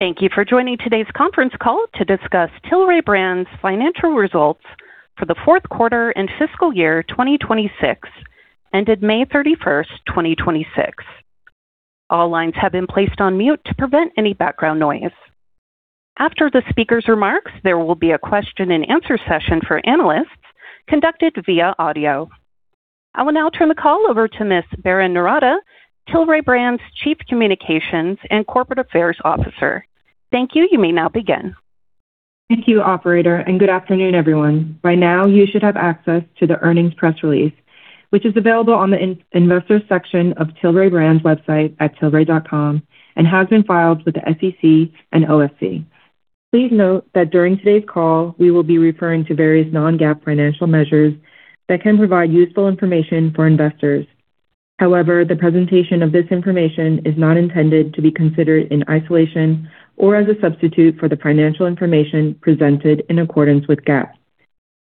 Thank you for joining today's conference call to discuss Tilray Brands' financial results for the fourth quarter and fiscal year 2026, ended May 31st, 2026. All lines have been placed on mute to prevent any background noise. After the speaker's remarks, there will be a question and answer session for analysts conducted via audio. I will now turn the call over to Ms. Berrin Noorata, Tilray Brands' Chief Communications and Corporate Affairs Officer. Thank you. You may now begin. Thank you operator, good afternoon, everyone. Right now, you should have access to the earnings press release, which is available on the investor section of Tilray Brands website at tilray.com and has been filed with the SEC and OSC. Please note that during today's call, we will be referring to various non-GAAP financial measures that can provide useful information for investors. However, the presentation of this information is not intended to be considered in isolation or as a substitute for the financial information presented in accordance with GAAP.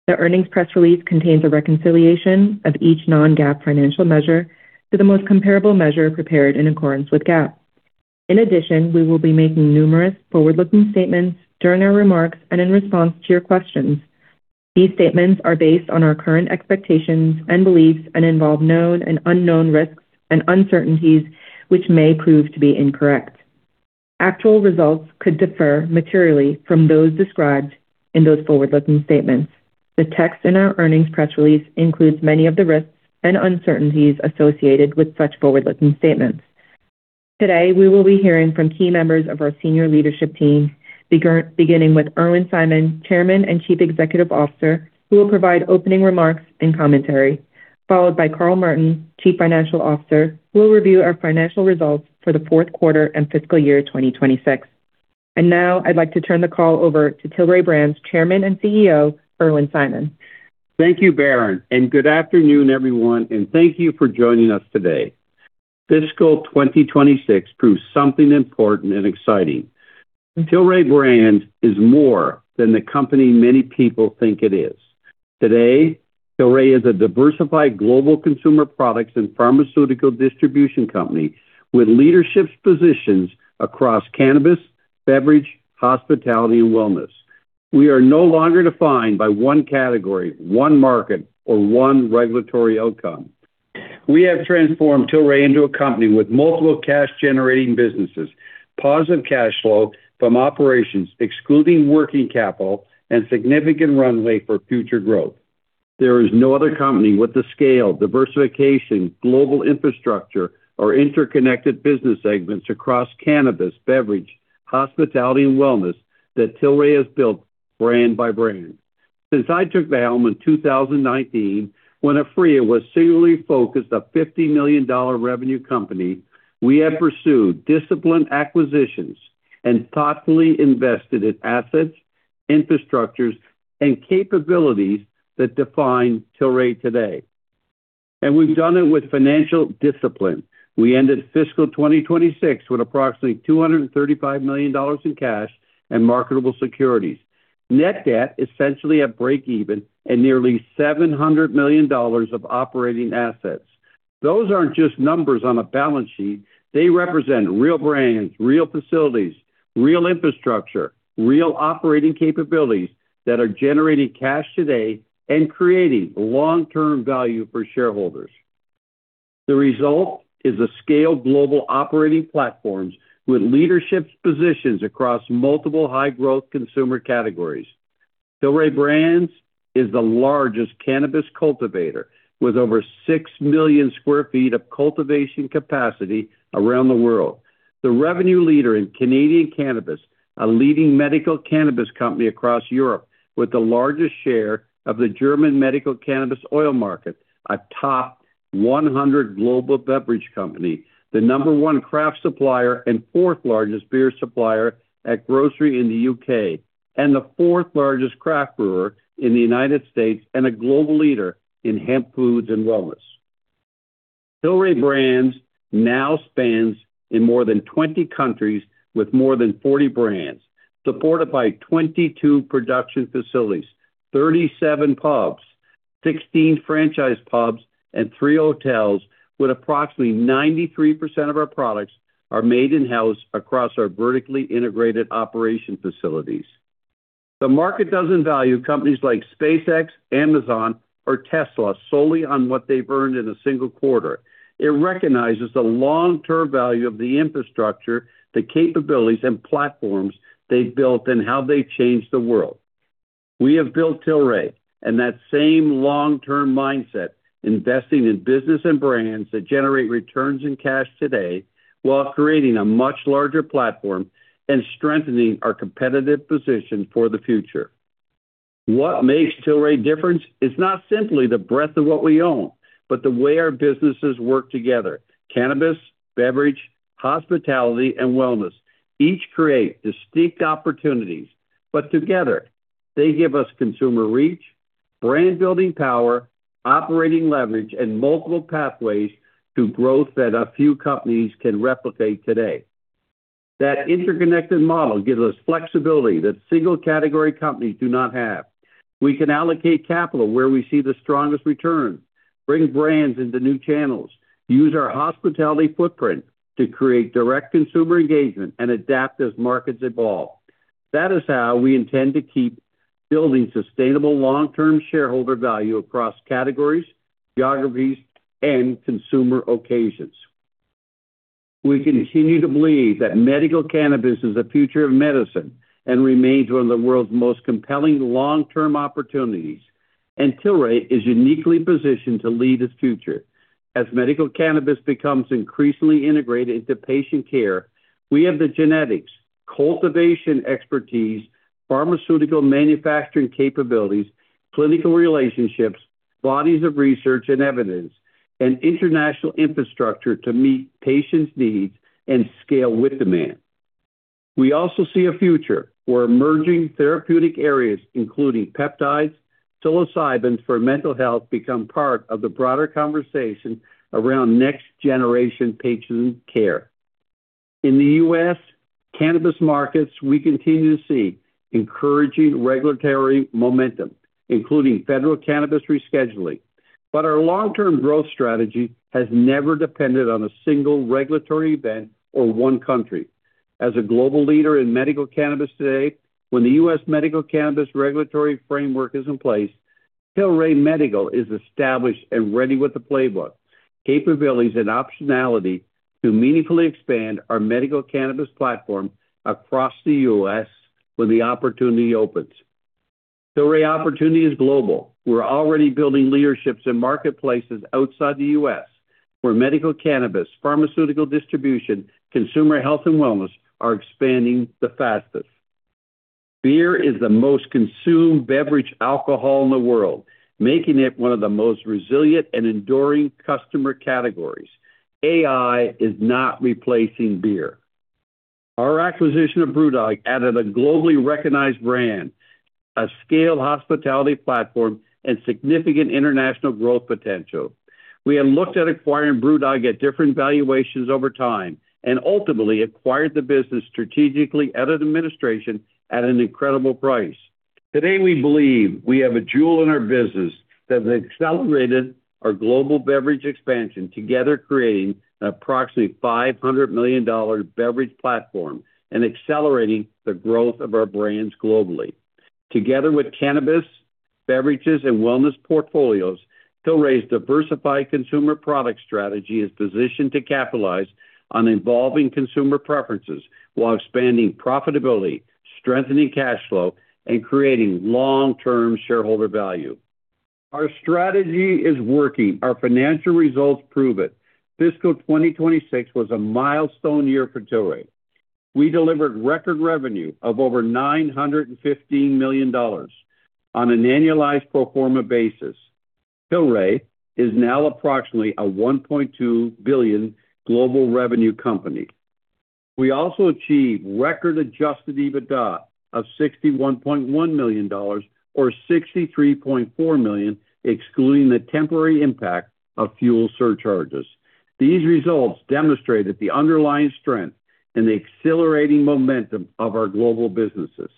The earnings press release contains a reconciliation of each non-GAAP financial measure to the most comparable measure prepared in accordance with GAAP. In addition, we will be making numerous forward-looking statements during our remarks and in response to your questions. These statements are based on our current expectations and beliefs and involve known and unknown risks and uncertainties, which may prove to be incorrect. Actual results could differ materially from those described in those forward-looking statements. The text in our earnings press release includes many of the risks and uncertainties associated with such forward-looking statements. Today, we will be hearing from key members of our senior leadership team, beginning with Irwin Simon, Chairman and Chief Executive Officer, who will provide opening remarks and commentary, followed by Carl Merton, Chief Financial Officer, who will review our financial results for the fourth quarter and fiscal year 2026. Now I'd like to turn the call over to Tilray Brands' Chairman and CEO, Irwin Simon. Thank you, Berrin, good afternoon, everyone, thank you for joining us today. Fiscal 2026 proves something important and exciting. Tilray Brands is more than the company many people think it is. Today, Tilray is a diversified global consumer products and pharmaceutical distribution company with leadership positions across cannabis, beverage, hospitality, and wellness. We are no longer defined by one category, one market, or one regulatory outcome. We have transformed Tilray into a company with multiple cash-generating businesses, positive cash flow from operations, excluding working capital, and significant runway for future growth. There is no other company with the scale, diversification, global infrastructure, or interconnected business segments across cannabis, beverage, hospitality, and wellness that Tilray has built brand-by-brand. Since I took the helm in 2019, when Aphria was singularly focused a $50 million revenue company, we have pursued disciplined acquisitions and thoughtfully invested in assets, infrastructures, and capabilities that define Tilray today. We've done it with financial discipline. We ended fiscal 2026 with approximately $235 million in cash and marketable securities. Net debt, essentially at break-even, and nearly $700 million of operating assets. Those aren't just numbers on a balance sheet. They represent real brands, real facilities, real infrastructure, real operating capabilities that are generating cash today and creating long-term value for shareholders. The result is a scaled global operating platforms with leadership positions across multiple high-growth consumer categories. Tilray Brands is the largest cannabis cultivator with over 6 million sq ft of cultivation capacity around the world. The revenue leader in Canadian cannabis, a leading medical cannabis company across Europe with the largest share of the German medical cannabis oil market, a top 100 global beverage company, the number one craft supplier and fourth largest beer supplier at grocery in the U.K., and the fourth largest craft brewer in the U.S., and a global leader in hemp foods and wellness. Tilray Brands now spans in more than 20 countries with more than 40 brands, supported by 22 production facilities, 37 pubs, 16 franchise pubs, and three hotels, with approximately 93% of our products are made in-house across our vertically integrated operation facilities. The market doesn't value companies like SpaceX, Amazon, or Tesla solely on what they've earned in a single quarter. It recognizes the long-term value of the infrastructure, the capabilities and platforms they've built, and how they've changed the world. We have built Tilray in that same long-term mindset, investing in business and brands that generate returns in cash today while creating a much larger platform and strengthening our competitive position for the future. What makes Tilray different is not simply the breadth of what we own, but the way our businesses work together. Cannabis, beverage, hospitality, and wellness each create distinct opportunities, but together they give us consumer reach, brand building power, operating leverage, and multiple pathways to growth that a few companies can replicate today. That interconnected model gives us flexibility that single category companies do not have. We can allocate capital where we see the strongest returns. Bring brands into new channels, use our hospitality footprint to create direct consumer engagement, and adapt as markets evolve. That is how we intend to keep building sustainable long-term shareholder value across categories, geographies, and consumer occasions. We continue to believe that medical cannabis is the future of medicine and remains one of the world's most compelling long-term opportunities. Tilray is uniquely positioned to lead its future. As medical cannabis becomes increasingly integrated into patient care, we have the genetics, cultivation expertise, pharmaceutical manufacturing capabilities, clinical relationships, bodies of research and evidence, and international infrastructure to meet patients' needs and scale with demand. We also see a future where emerging therapeutic areas, including peptides, psilocybins for mental health, become part of the broader conversation around next-generation patient care. In the U.S. cannabis markets, we continue to see encouraging regulatory momentum, including federal cannabis rescheduling. Our long-term growth strategy has never depended on a single regulatory event or one country. As a global leader in medical cannabis today, when the U.S. medical cannabis regulatory framework is in place, Tilray Medical is established and ready with the playbook, capabilities, and optionality to meaningfully expand our medical cannabis platform across the U.S. when the opportunity opens. Tilray opportunity is global. We are already building leaderships in marketplaces outside the U.S. where medical cannabis, pharmaceutical distribution, consumer health, and wellness are expanding the fastest. Beer is the most consumed beverage alcohol in the world, making it one of the most resilient and enduring customer categories. AI is not replacing beer. Our acquisition of BrewDog added a globally recognized brand, a scaled hospitality platform, and significant international growth potential. We had looked at acquiring BrewDog at different valuations over time and ultimately acquired the business strategically out of administration at an incredible price. Today, we believe we have a jewel in our business that has accelerated our global beverage expansion, together creating an approximately $500 million beverage platform and accelerating the growth of our brands globally. Together with cannabis, beverages, and wellness portfolios, Tilray's diversified consumer product strategy is positioned to capitalize on evolving consumer preferences while expanding profitability, strengthening cash flow, and creating long-term shareholder value. Our strategy is working. Our financial results prove it. Fiscal 2026 was a milestone year for Tilray. We delivered record revenue of over $915 million. On an annualized pro forma basis, Tilray is now approximately a $1.2 billion global revenue company. We also achieved record adjusted EBITDA of $61.1 million, or $63.4 million, excluding the temporary impact of fuel surcharges. These results demonstrate the underlying strength and the accelerating momentum of our global businesses.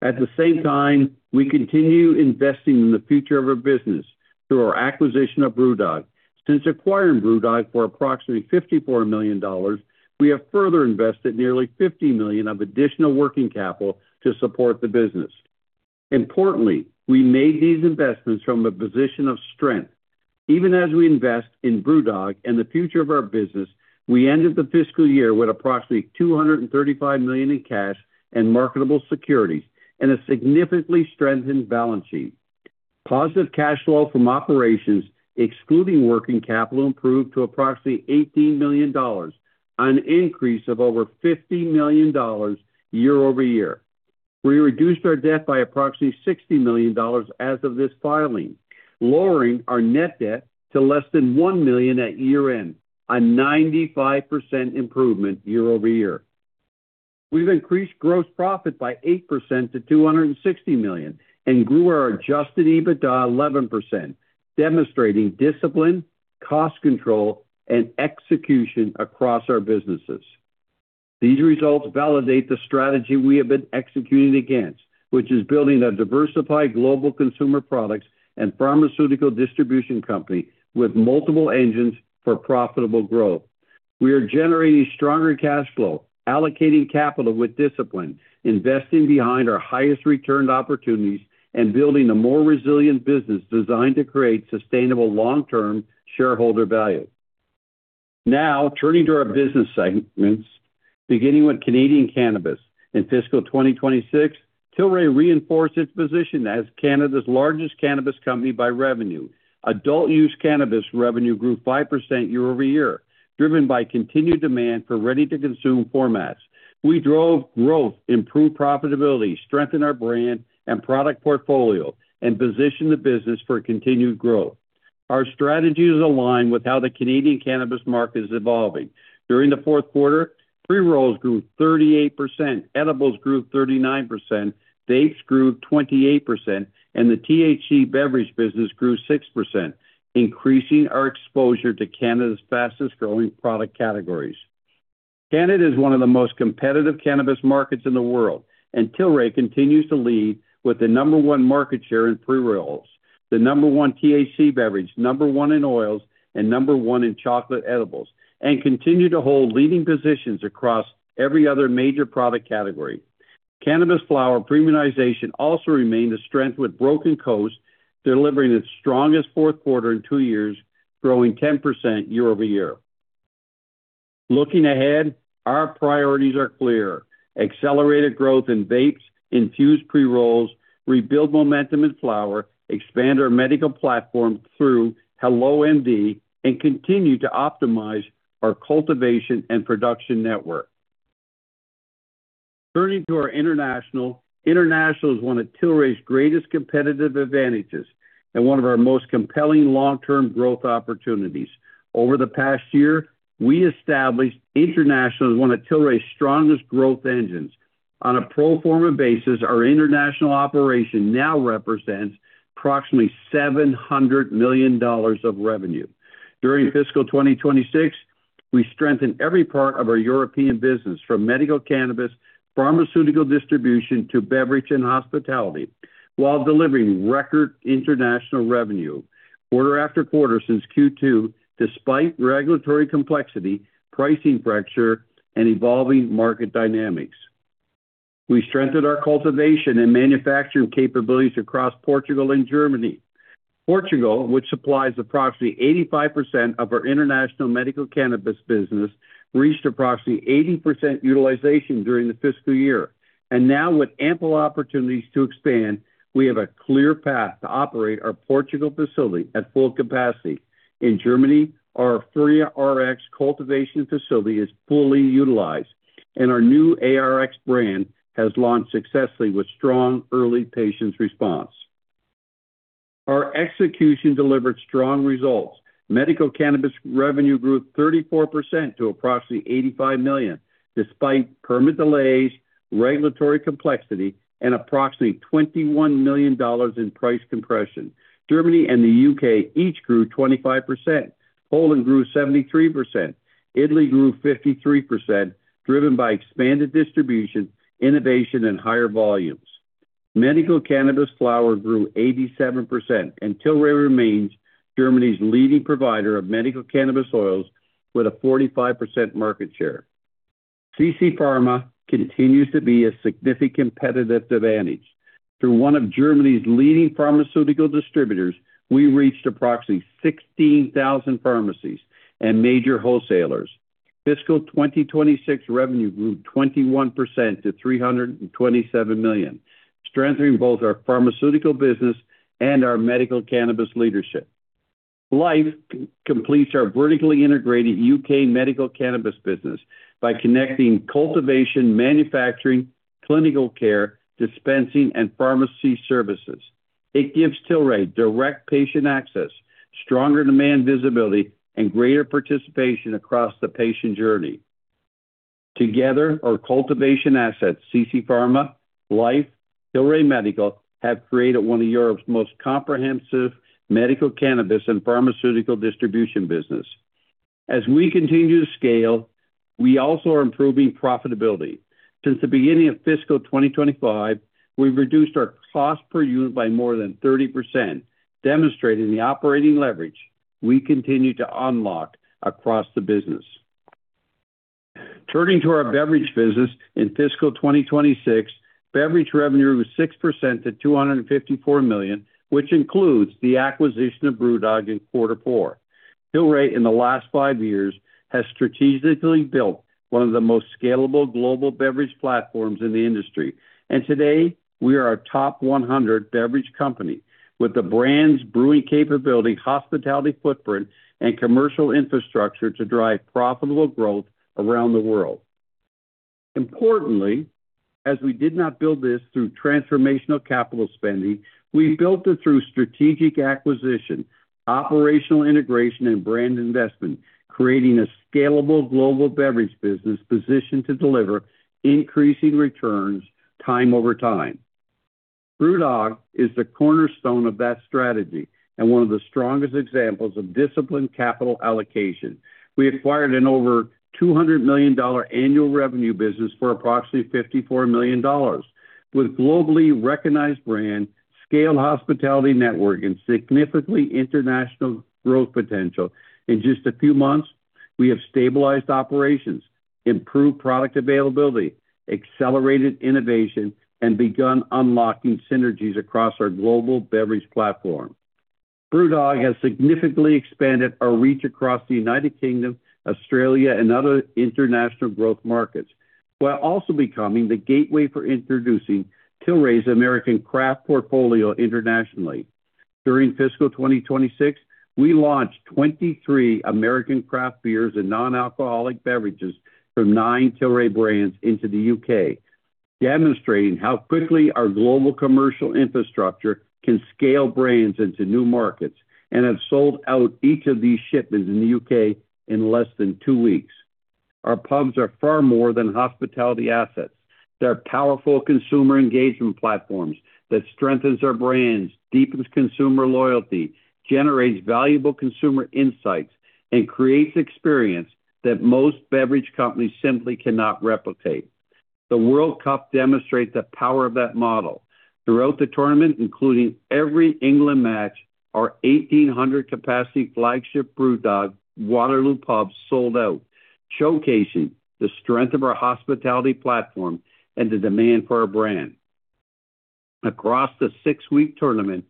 At the same time, we continue investing in the future of our business through our acquisition of BrewDog. Since acquiring BrewDog for approximately $54 million, we have further invested nearly $50 million of additional working capital to support the business. Importantly, we made these investments from a position of strength. Even as we invest in BrewDog and the future of our business, we ended the fiscal year with approximately $235 million in cash and marketable securities and a significantly strengthened balance sheet. Positive cash flow from operations, excluding working capital, improved to approximately $18 million, an increase of over $50 million year-over-year. We reduced our debt by approximately $60 million as of this filing, lowering our net debt to less than $1 million at year-end, a 95% improvement year-over-year. We have increased gross profit by 8% to $260 million, and grew our adjusted EBITDA 11%, demonstrating discipline, cost control, and execution across our businesses. These results validate the strategy we have been executing against, which is building a diversified global consumer products and pharmaceutical distribution company with multiple engines for profitable growth. We are generating stronger cash flow, allocating capital with discipline, investing behind our highest return opportunities, and building a more resilient business designed to create sustainable long-term shareholder value. Now, turning to our business segments, beginning with Canadian cannabis. In FY 2026, Tilray reinforced its position as Canada's largest cannabis company by revenue. Adult-use cannabis revenue grew 5% year-over-year, driven by continued demand for ready-to-consume formats. We drove growth, improved profitability, strengthened our brand and product portfolio, and positioned the business for continued growth. Our strategies align with how the Canadian cannabis market is evolving. During the fourth quarter, pre-rolls grew 38%, edibles grew 39%, vapes grew 28%, and the THC beverage business grew 6%, increasing our exposure to Canada's fastest-growing product categories. Tilray continues to lead with the number one market share in pre-rolls, the number one THC beverage, number one in oils, and number one in chocolate edibles, continue to hold leading positions across every other major product category. Cannabis flower premiumization also remained a strength, with Broken Coast delivering its strongest fourth quarter in two years, growing 10% year-over-year. Looking ahead, our priorities are clear: accelerated growth in vapes, infused pre-rolls, rebuild momentum in flower, expand our medical platform through HelloMD, and continue to optimize our cultivation and production network. Turning to our international. International is one of Tilray's greatest competitive advantages and one of our most compelling long-term growth opportunities. Over the past year, we established international as one of Tilray's strongest growth engines. On a pro forma basis, our international operation now represents approximately $700 million of revenue. During fiscal 2026, we strengthened every part of our European business, from medical cannabis, pharmaceutical distribution, to beverage and hospitality, while delivering record international revenue quarter-after-quarter since Q2, despite regulatory complexity, pricing pressure, and evolving market dynamics. We strengthened our cultivation and manufacturing capabilities across Portugal and Germany. Portugal, which supplies approximately 85% of our international medical cannabis business, reached approximately 80% utilization during the fiscal year. Now with ample opportunities to expand, we have a clear path to operate our Portugal facility at full capacity. In Germany, our Aphria RX cultivation facility is fully utilized, and our new ARX brand has launched successfully with strong early patients response. Our execution delivered strong results. Medical cannabis revenue grew 34% to approximately $85 million, despite permit delays, regulatory complexity, and approximately $21 million in price compression. Germany and the U.K. each grew 25%. Poland grew 73%. Italy grew 53%, driven by expanded distribution, innovation, and higher volumes. Medical cannabis flower grew 87%, and Tilray remains Germany's leading provider of medical cannabis oils with a 45% market share. CC Pharma continues to be a significant competitive advantage. Through one of Germany's leading pharmaceutical distributors, we reached approximately 16,000 pharmacies and major wholesalers. Fiscal 2026 revenue grew 21% to $327 million, strengthening both our pharmaceutical business and our medical cannabis leadership. Lyphe completes our vertically integrated U.K. medical cannabis business by connecting cultivation, manufacturing, clinical care, dispensing, and pharmacy services. It gives Tilray direct patient access, stronger demand visibility, and greater participation across the patient journey. Together, our cultivation assets, CC Pharma, Lyphe, Tilray Medical, have created one of Europe's most comprehensive medical cannabis and pharmaceutical distribution business. As we continue to scale, we also are improving profitability. Since the beginning of fiscal 2025, we've reduced our cost per unit by more than 30%, demonstrating the operating leverage we continue to unlock across the business. Turning to our beverage business. In fiscal 2026, beverage revenue was 6% to $254 million, which includes the acquisition of BrewDog in quarter four. Tilray, in the last five years, has strategically built one of the most scalable global beverage platforms in the industry, today, we are a top 100 beverage company with the brands, brewing capability, hospitality footprint, and commercial infrastructure to drive profitable growth around the world. Importantly, as we did not build this through transformational capital spending, we built it through strategic acquisition, operational integration, and brand investment, creating a scalable global beverage business positioned to deliver increasing returns time over time. BrewDog is the cornerstone of that strategy and one of the strongest examples of disciplined capital allocation. We acquired an over $200 million annual revenue business for approximately $54 million with a globally recognized brand, scale hospitality network, and significant international growth potential. In just a few months, we have stabilized operations, improved product availability, accelerated innovation, and begun unlocking synergies across our global beverage platform. BrewDog has significantly expanded our reach across the United Kingdom, Australia, and other international growth markets, while also becoming the gateway for introducing Tilray's American craft portfolio internationally. During fiscal 2026, we launched 23 American craft beers and non-alcoholic beverages from nine Tilray Brands into the U.K., demonstrating how quickly our global commercial infrastructure can scale brands into new markets. We have sold out each of these shipments in the U.K. in less than two weeks. Our pubs are far more than hospitality assets. They are powerful consumer engagement platforms that strengthens our brands, deepens consumer loyalty, generates valuable consumer insights, and creates experience that most beverage companies simply cannot replicate. The World Cup demonstrates the power of that model. Throughout the tournament, including every England match, our 1,800 capacity flagship BrewDog Waterloo pub sold out, showcasing the strength of our hospitality platform and the demand for our brand. Across the six-week tournament,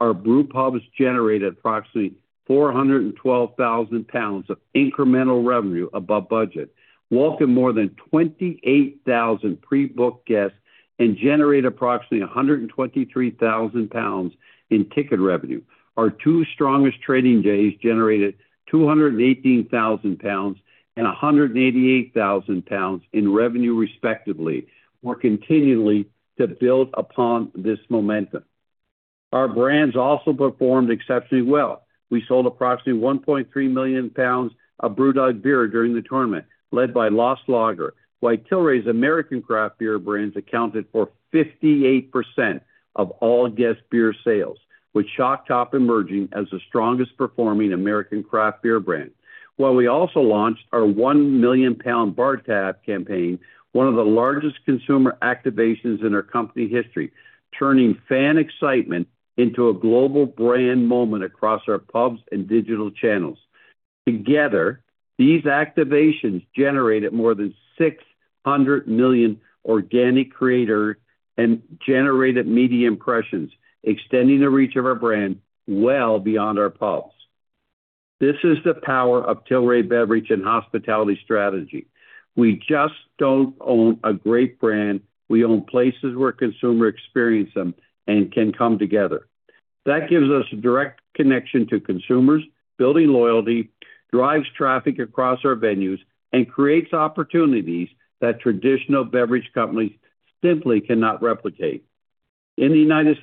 our brew pubs generated approximately 412,000 pounds of incremental revenue above budget, welcomed more than 28,000 pre-booked guests, and generated approximately 123,000 pounds in ticket revenue. Our two strongest trading days generated 218,000 pounds and 188,000 pounds in revenue, respectively. We're continuing to build upon this momentum. Our brands also performed exceptionally well. We sold approximately 1.3 million pounds of BrewDog beer during the tournament, led by Lost Lager, while Tilray's American craft beer brands accounted for 58% of all guest beer sales, with Shock Top emerging as the strongest performing American craft beer brand. We also launched our 1 million pound bar tab campaign, one of the largest consumer activations in our company history, turning fan excitement into a global brand moment across our pubs and digital channels. Together, these activations generated more than 600 million organic creator and generated media impressions, extending the reach of our brand well beyond our pubs. This is the power of Tilray beverage and hospitality strategy. We just don't own a great brand. We own places where consumer experience them and can come together. That gives us a direct connection to consumers, building loyalty, drives traffic across our venues, and creates opportunities that traditional beverage companies simply cannot replicate. In the United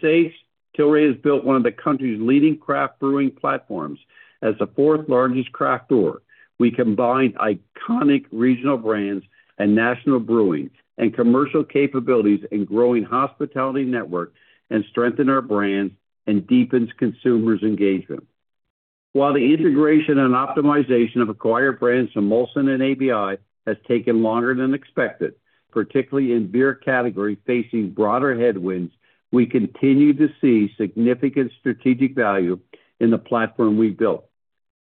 States., Tilray has built one of the country's leading craft brewing platforms. As the fourth largest craft brewer, we combined iconic regional brands and national brewing and commercial capabilities and growing hospitality network, and strengthen our brands and deepens consumers engagement. While the integration and optimization of acquired brands from Molson and ABI has taken longer than expected, particularly in beer category facing broader headwinds, we continue to see significant strategic value in the platform we've built.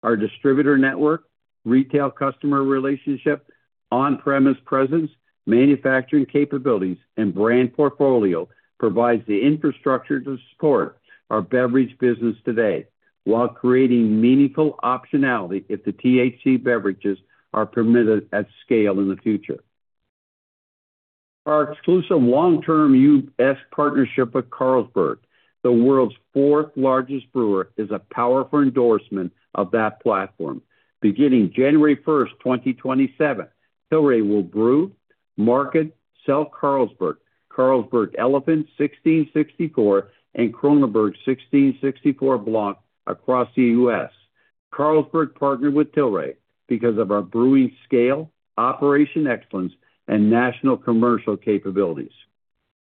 Our distributor network, retail customer relationship, on-premise presence, manufacturing capabilities, and brand portfolio provides the infrastructure to support our beverage business today while creating meaningful optionality if THC beverages are permitted at scale in the future. Our exclusive long-term U.S. partnership with Carlsberg, the world's fourth largest brewer, is a powerful endorsement of that platform. Beginning January 1st, 2027, Tilray will brew, market, sell Carlsberg Elephant, 1664, and Kronenbourg 1664 Blanc across the U.S. Carlsberg partnered with Tilray because of our brewing scale, operation excellence, and national commercial capabilities.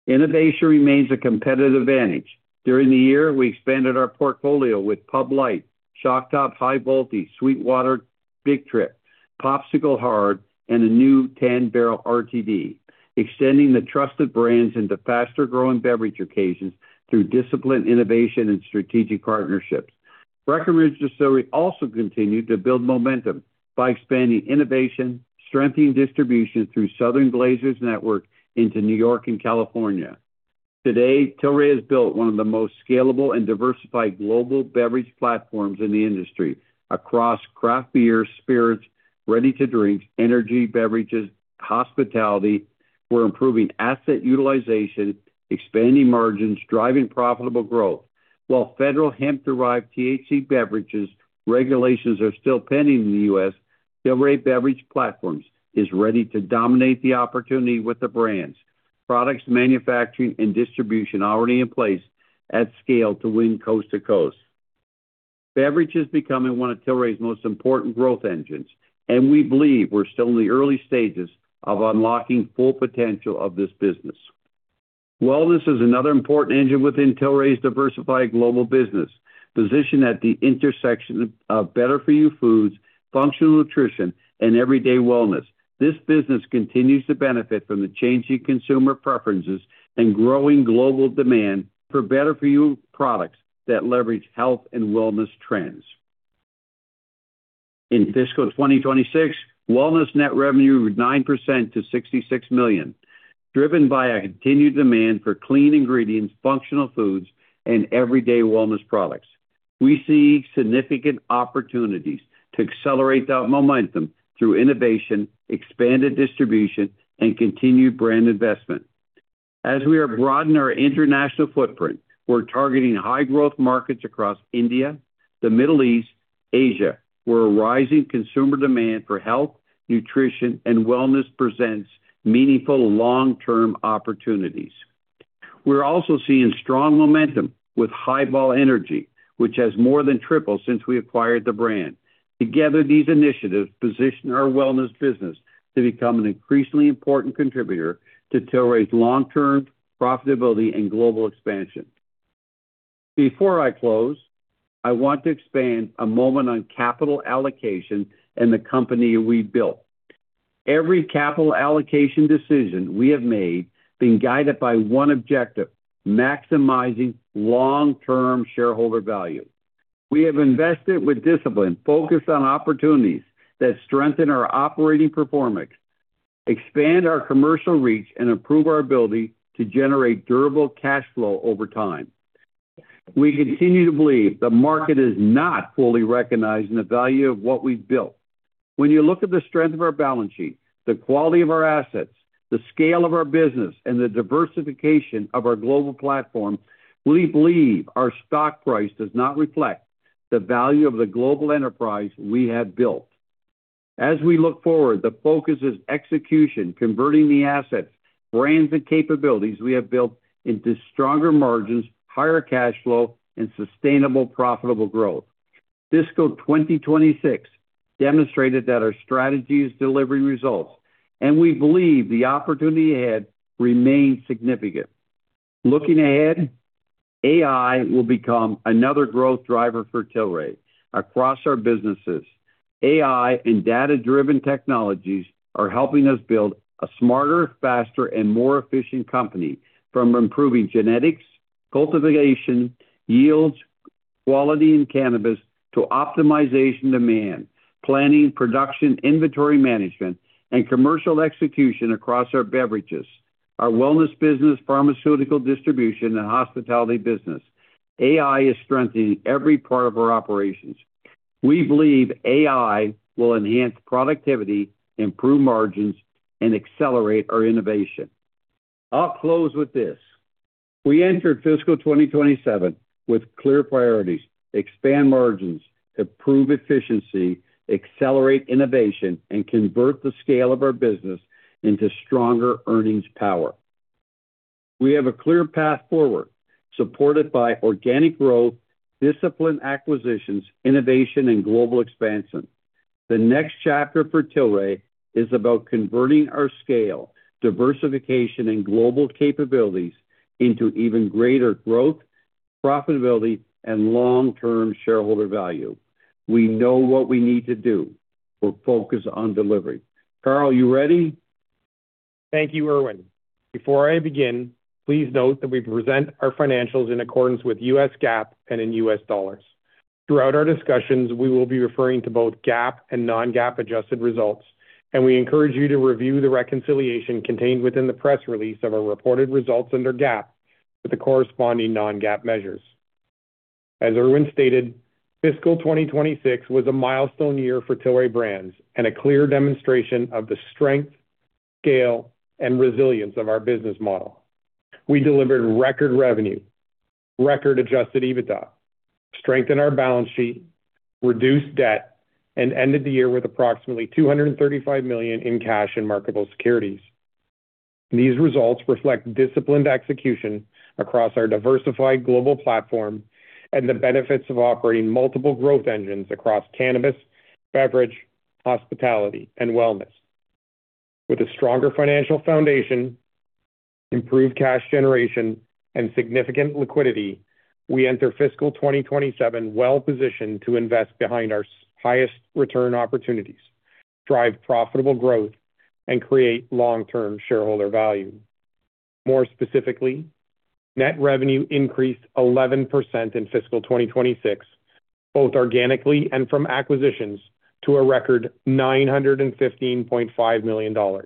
Innovation remains a competitive advantage. During the year, we expanded our portfolio with Pub Light, Shock Top, High Voltage, SweetWater Big Trip, Popsicle Hard, and a new 10 Barrel RTD, extending the trusted brands into faster-growing beverage occasions through disciplined innovation and strategic partnerships. Breckenridge Distillery also continued to build momentum by expanding innovation, strengthening distribution through Southern Glazer's network into New York and California. Today, Tilray has built one of the most scalable and diversified global beverage platforms in the industry across craft beer, spirits, ready-to-drink, energy beverages, hospitality. We're improving asset utilization, expanding margins, driving profitable growth. While federal hemp-derived THC beverages regulations are still pending in the U.S., Tilray beverage platforms is ready to dominate the opportunity with the brands, products manufacturing, and distribution already in place at scale to win coast to coast. Beverage is becoming one of Tilray's most important growth engines, and we believe we're still in the early stages of unlocking full potential of this business. Wellness is another important engine within Tilray's diversified global business, positioned at the intersection of better-for-you foods, functional nutrition, and everyday wellness. This business continues to benefit from the changing consumer preferences and growing global demand for better-for-you products that leverage health and wellness trends. In fiscal 2026, wellness net revenue grew 9% to $66 million, driven by a continued demand for clean ingredients, functional foods, and everyday wellness products. We see significant opportunities to accelerate that momentum through innovation, expanded distribution, and continued brand investment. As we are broadening our international footprint, we're targeting high-growth markets across India, the Middle East, Asia, where a rising consumer demand for health, nutrition, and wellness presents meaningful long-term opportunities. We're also seeing strong momentum with Hi*Ball Energy, which has more than tripled since we acquired the brand. Together, these initiatives position our wellness business to become an increasingly important contributor to Tilray's long-term profitability and global expansion. Before I close, I want to expand a moment on capital allocation and the company we built. Every capital allocation decision we have made has been guided by one objective: maximizing long-term shareholder value. We have invested with discipline, focused on opportunities that strengthen our operating performance, expand our commercial reach, and improve our ability to generate durable cash flow over time. We continue to believe the market is not fully recognizing the value of what we've built. When you look at the strength of our balance sheet, the quality of our assets, the scale of our business, and the diversification of our global platform, we believe our stock price does not reflect the value of the global enterprise we have built. As we look forward, the focus is execution, converting the assets, brands, and capabilities we have built into stronger margins, higher cash flow, and sustainable profitable growth. Fiscal 2026 demonstrated that our strategy is delivering results. We believe the opportunity ahead remains significant. Looking ahead, AI will become another growth driver for Tilray across our businesses. AI and data-driven technologies are helping us build a smarter, faster, and more efficient company. From improving genetics, cultivation, yields, quality in cannabis, to optimization demand, planning, production, inventory management, and commercial execution across our beverages, our wellness business, pharmaceutical distribution, and hospitality business. AI is strengthening every part of our operations. We believe AI will enhance productivity, improve margins, and accelerate our innovation. I'll close with this. We enter fiscal 2027 with clear priorities: expand margins, improve efficiency, accelerate innovation, and convert the scale of our business into stronger earnings power. We have a clear path forward, supported by organic growth, disciplined acquisitions, innovation, and global expansion. The next chapter for Tilray is about converting our scale, diversification, and global capabilities into even greater growth, profitability, and long-term shareholder value. We know what we need to do. We're focused on delivery. Carl, you ready? Thank you, Irwin. Before I begin, please note that we present our financials in accordance with U.S. GAAP and in U.S. dollars. Throughout our discussions, we will be referring to both GAAP and non-GAAP adjusted results. We encourage you to review the reconciliation contained within the press release of our reported results under GAAP with the corresponding non-GAAP measures. As Irwin stated, fiscal 2026 was a milestone year for Tilray Brands and a clear demonstration of the strength, scale, and resilience of our business model. We delivered record revenue, record adjusted EBITDA, strengthened our balance sheet, reduced debt, and ended the year with approximately $235 million in cash and marketable securities. These results reflect disciplined execution across our diversified global platform and the benefits of operating multiple growth engines across cannabis, beverage, hospitality, and wellness. With a stronger financial foundation, improved cash generation, and significant liquidity, we enter Fiscal 2027 well-positioned to invest behind our highest return opportunities, drive profitable growth, and create long-term shareholder value. More specifically, net revenue increased 11% in fiscal 2026, both organically and from acquisitions, to a record $915.5 million,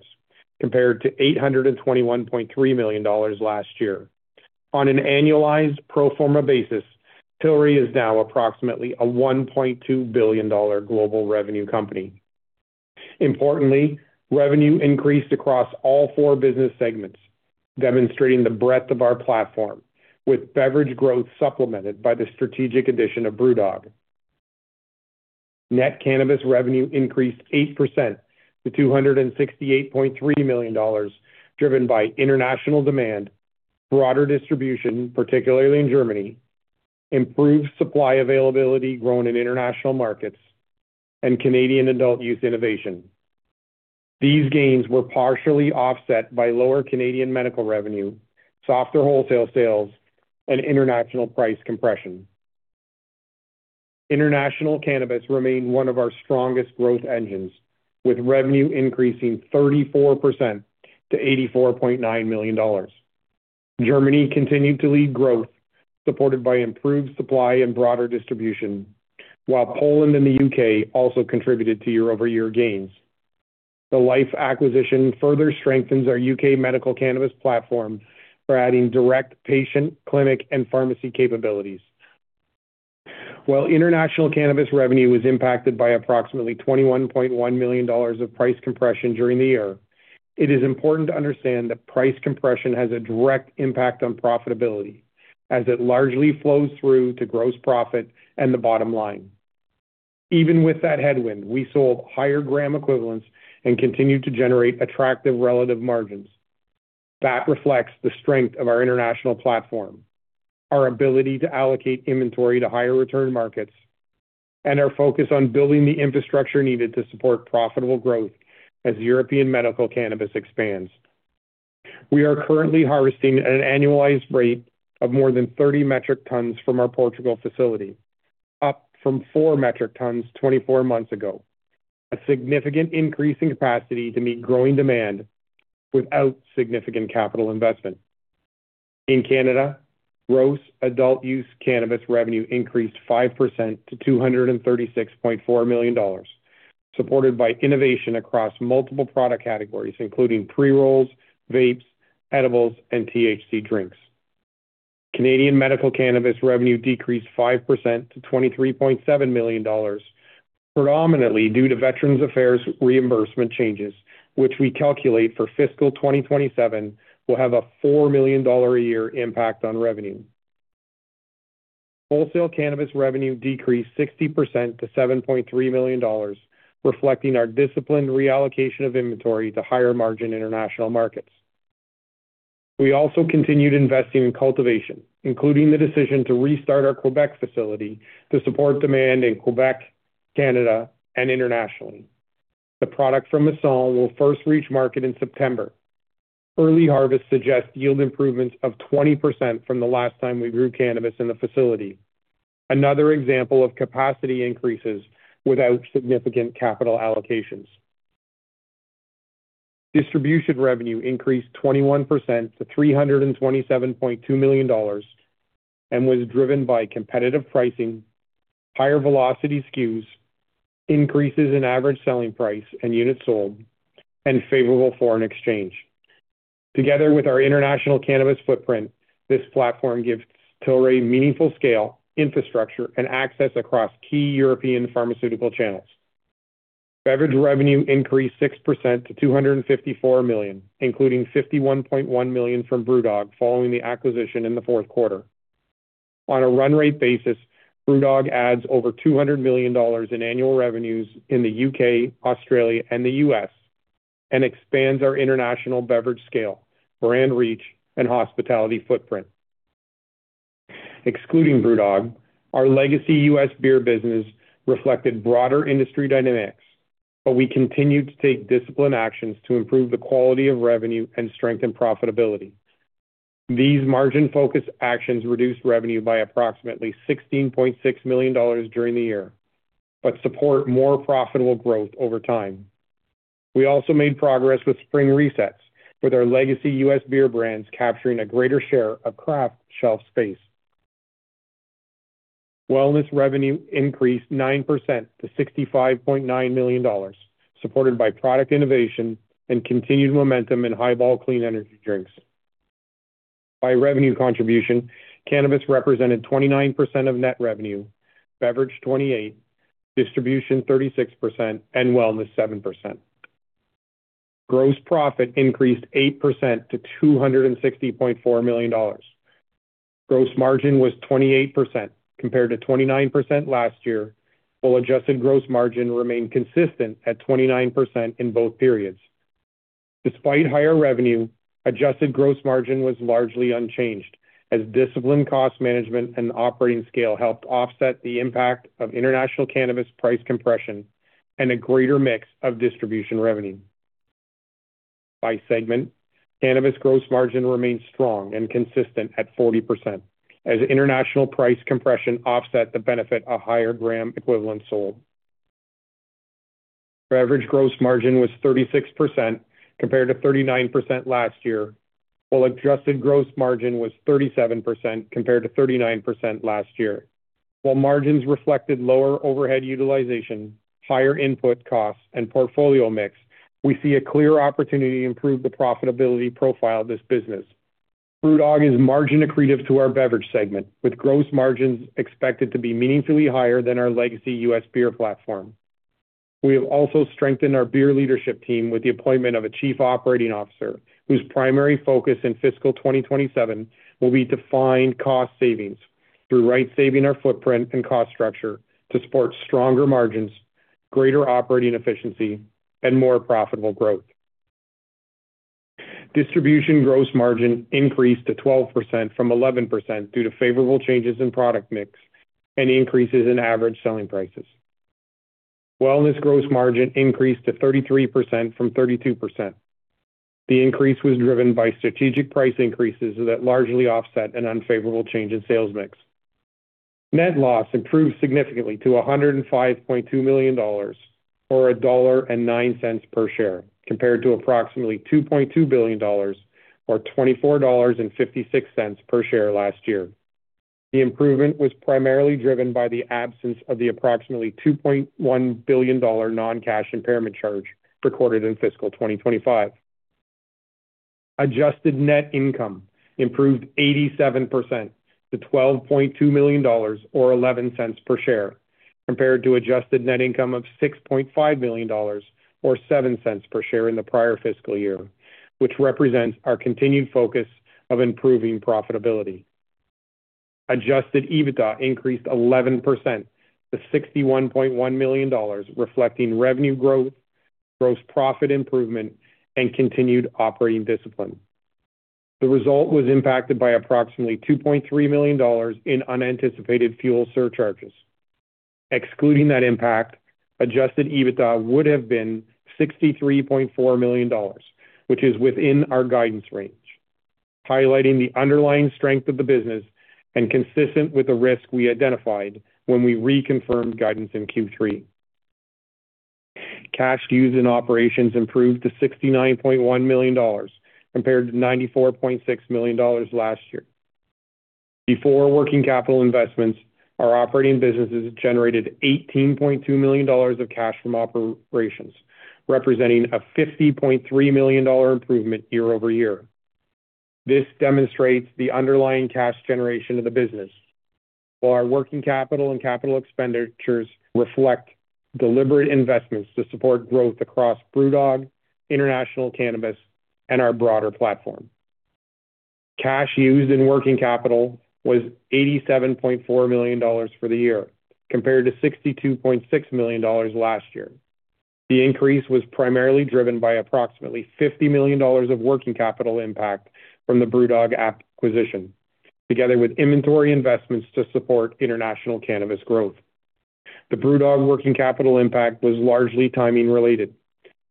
compared to $821.3 million last year. On an annualized pro forma basis, Tilray is now approximately a $1.2 billion global revenue company. Importantly, revenue increased across all four business segments, demonstrating the breadth of our platform, with beverage growth supplemented by the strategic addition of BrewDog. Net cannabis revenue increased 8% to $268.3 million, driven by international demand, broader distribution, particularly in Germany, improved supply availability growing in international markets, and Canadian adult use innovation. These gains were partially offset by lower Canadian medical revenue, softer wholesale sales, and international price compression. International cannabis remained one of our strongest growth engines, with revenue increasing 34% to $84.9 million. Germany continued to lead growth, supported by improved supply and broader distribution, while Poland and the U.K. also contributed to year-over-year gains. The Lyphe acquisition further strengthens our U.K. medical cannabis platform by adding direct patient, clinic, and pharmacy capabilities. While international cannabis revenue was impacted by approximately $21.1 million of price compression during the year, it is important to understand that price compression has a direct impact on profitability as it largely flows through to gross profit and the bottom line. Even with that headwind, we sold higher gram equivalents and continued to generate attractive relative margins. That reflects the strength of our international platform, our ability to allocate inventory to higher return markets, and our focus on building the infrastructure needed to support profitable growth as European medical cannabis expands. We are currently harvesting at an annualized rate of more than 30 metric tons from our Portugal facility, up from 4 metric tons 24 months ago. A significant increase in capacity to meet growing demand without significant capital investment. In Canada, gross adult use cannabis revenue increased 5% to $236.4 million, supported by innovation across multiple product categories, including pre-rolls, vapes, edibles, and THC drinks. Canadian medical cannabis revenue decreased 5% to $23.7 million, predominantly due to Veterans Affairs reimbursement changes, which we calculate for fiscal 2027 will have a $4 million a year impact on revenue. Wholesale cannabis revenue decreased 60% to $7.3 million, reflecting our disciplined reallocation of inventory to higher margin international markets. We also continued investing in cultivation, including the decision to restart our Quebec facility to support demand in Quebec, Canada, and internationally. The product from Masson will first reach market in September. Early harvest suggests yield improvements of 20% from the last time we grew cannabis in the facility. Another example of capacity increases without significant capital allocations. Distribution revenue increased 21% to $327.2 million and was driven by competitive pricing, higher velocity SKUs, increases in average selling price and units sold, and favorable foreign exchange. Together with our international cannabis footprint, this platform gives Tilray meaningful scale, infrastructure, and access across key European pharmaceutical channels. Beverage revenue increased 6% to $254 million, including $51.1 million from BrewDog, following the acquisition in the fourth quarter. On a run rate basis, BrewDog adds over $200 million in annual revenues in the U.K., Australia, and the U.S., and expands our international beverage scale, brand reach, and hospitality footprint. Excluding BrewDog, our legacy U.S. beer business reflected broader industry dynamics. We continued to take disciplined actions to improve the quality of revenue and strengthen profitability. These margin-focused actions reduced revenue by approximately $16.6 million during the year, but support more profitable growth over time. We also made progress with spring resets, with our legacy U.S. beer brands capturing a greater share of craft shelf space. Wellness revenue increased 9% to $65.9 million, supported by product innovation and continued momentum in Hi*Ball clean energy drinks. By revenue contribution, cannabis represented 29% of net revenue, beverage 28%, distribution 36%, and wellness 7%. Gross profit increased 8% to $260.4 million. Gross margin was 28% compared to 29% last year, while adjusted gross margin remained consistent at 29% in both periods. Despite higher revenue, adjusted gross margin was largely unchanged, as disciplined cost management and operating scale helped offset the impact of international cannabis price compression and a greater mix of distribution revenue. By segment, cannabis gross margin remains strong and consistent at 40%, as international price compression offset the benefit of higher gram equivalents sold. Beverage gross margin was 36% compared to 39% last year, while adjusted gross margin was 37% compared to 39% last year. While margins reflected lower overhead utilization, higher input costs, and portfolio mix, we see a clear opportunity to improve the profitability profile of this business. BrewDog is margin accretive to our beverage segment, with gross margins expected to be meaningfully higher than our legacy U.S. beer platform. We have also strengthened our beer leadership team with the appointment of a chief operating officer, whose primary focus in fiscal 2027 will be to find cost savings through right saving our footprint and cost structure to support stronger margins, greater operating efficiency, and more profitable growth. Distribution gross margin increased to 12% from 11% due to favorable changes in product mix and increases in average selling prices. Wellness gross margin increased to 33% from 32%. The increase was driven by strategic price increases that largely offset an unfavorable change in sales mix. Net loss improved significantly to $105.2 million, or $1.09 per share, compared to approximately $2.2 billion, or $24.56 per share last year. The improvement was primarily driven by the absence of the approximately $2.1 billion non-cash impairment charge recorded in fiscal 2025. Adjusted net income improved 87% to $12.2 million, or $0.11 per share, compared to adjusted net income of $6.5 million, or $0.07 per share in the prior fiscal year, which represents our continued focus of improving profitability. Adjusted EBITDA increased 11%, to $61.1 million, reflecting revenue growth, gross profit improvement, and continued operating discipline. The result was impacted by approximately $2.3 million in unanticipated fuel surcharges. Excluding that impact, adjusted EBITDA would have been $63.4 million, which is within our guidance range, highlighting the underlying strength of the business and consistent with the risk we identified when we reconfirmed guidance in Q3. Cash used in operations improved to $69.1 million compared to $94.6 million last year. Before working capital investments, our operating businesses generated $18.2 million of cash from operations, representing a $50.3 million improvement year-over-year. This demonstrates the underlying cash generation of the business, while our working capital and capital expenditures reflect deliberate investments to support growth across BrewDog, international cannabis, and our broader platform. Cash used in working capital was $87.4 million for the year, compared to $62.6 million last year. The increase was primarily driven by approximately $50 million of working capital impact from the BrewDog acquisition, together with inventory investments to support international cannabis growth. The BrewDog working capital impact was largely timing related.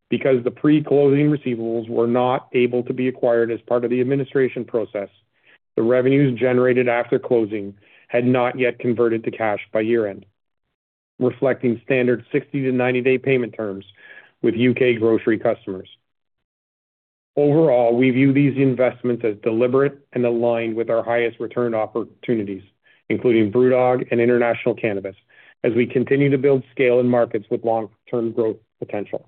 Because the pre-closing receivables were not able to be acquired as part of the administration process, the revenues generated after closing had not yet converted to cash by year-end, reflecting standard 60- to 90-day payment terms with U.K. grocery customers. Overall, we view these investments as deliberate and aligned with our highest return opportunities, including BrewDog and international cannabis, as we continue to build scale in markets with long-term growth potential.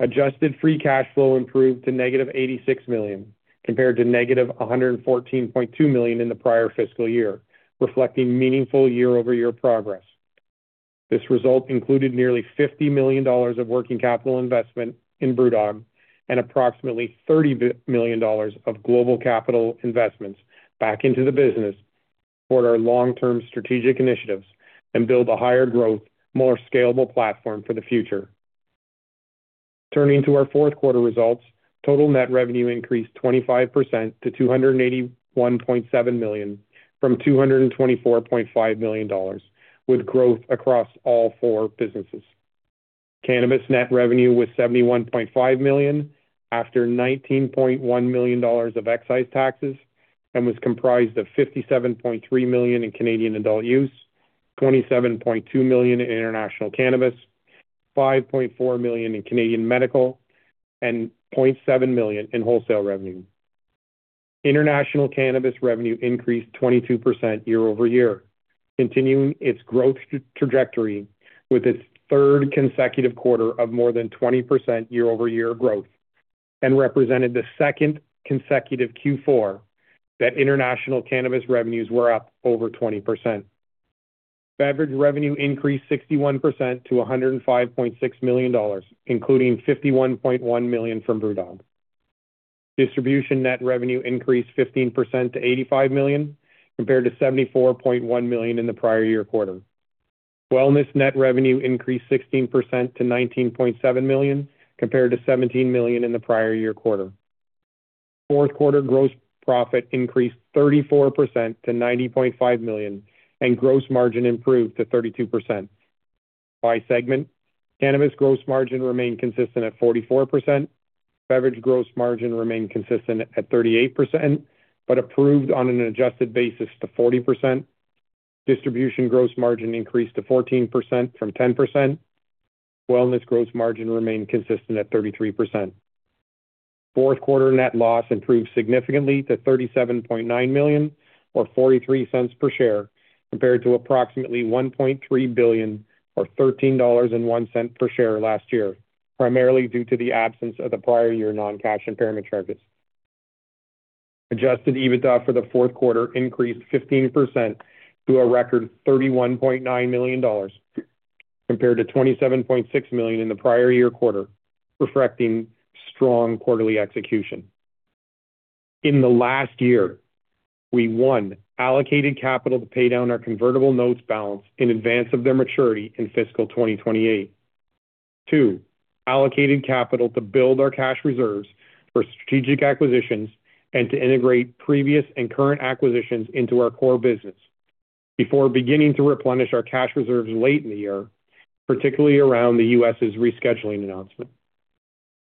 Adjusted free cash flow improved to -$86 million, compared to -$114.2 million in the prior fiscal year, reflecting meaningful year-over-year progress. This result included nearly $50 million of working capital investment in BrewDog and approximately $30 million of global capital investments back into the business for our long-term strategic initiatives and build a higher growth, more scalable platform for the future. Turning to our fourth quarter results, total net revenue increased 25% to $281.7 million from $224.5 million, with growth across all four businesses. Cannabis net revenue was $71.5 million, after $19.1 million of excise taxes, and was comprised of $57.3 million in Canadian adult-use, $27.2 million in international cannabis, $5.4 million in Canadian medical, and $0.7 million in wholesale revenue. International cannabis revenue increased 22% year-over-year, continuing its growth trajectory with its third consecutive quarter of more than 20% year-over-year growth, and represented the second consecutive Q4 that international cannabis revenues were up over 20%. Beverage revenue increased 61% to $105.6 million, including $51.1 million from BrewDog. Distribution net revenue increased 15% to $85 million, compared to $74.1 million in the prior year quarter. Wellness net revenue increased 16% to $19.7 million, compared to $17 million in the prior year quarter. Fourth quarter gross profit increased 34% to $90.5 million, and gross margin improved to 32%. By segment, Cannabis gross margin remained consistent at 44%, Beverage gross margin remained consistent at 38%, but improved on an adjusted basis to 40%. Distribution gross margin increased to 14% from 10%. Wellness gross margin remained consistent at 33%. Fourth quarter net loss improved significantly to $37.9 million, or $0.43 per share, compared to approximately $1.3 billion or $13.01 per share last year, primarily due to the absence of the prior year non-cash impairment charges. Adjusted EBITDA for the fourth quarter increased 15% to a record $31.9 million compared to $27.6 million in the prior year quarter, reflecting strong quarterly execution. In the last year, we, one, allocated capital to pay down our convertible notes balance in advance of their maturity in fiscal 2028. Two, allocated capital to build our cash reserves for strategic acquisitions and to integrate previous and current acquisitions into our core business before beginning to replenish our cash reserves late in the year, particularly around the U.S.'s rescheduling announcement.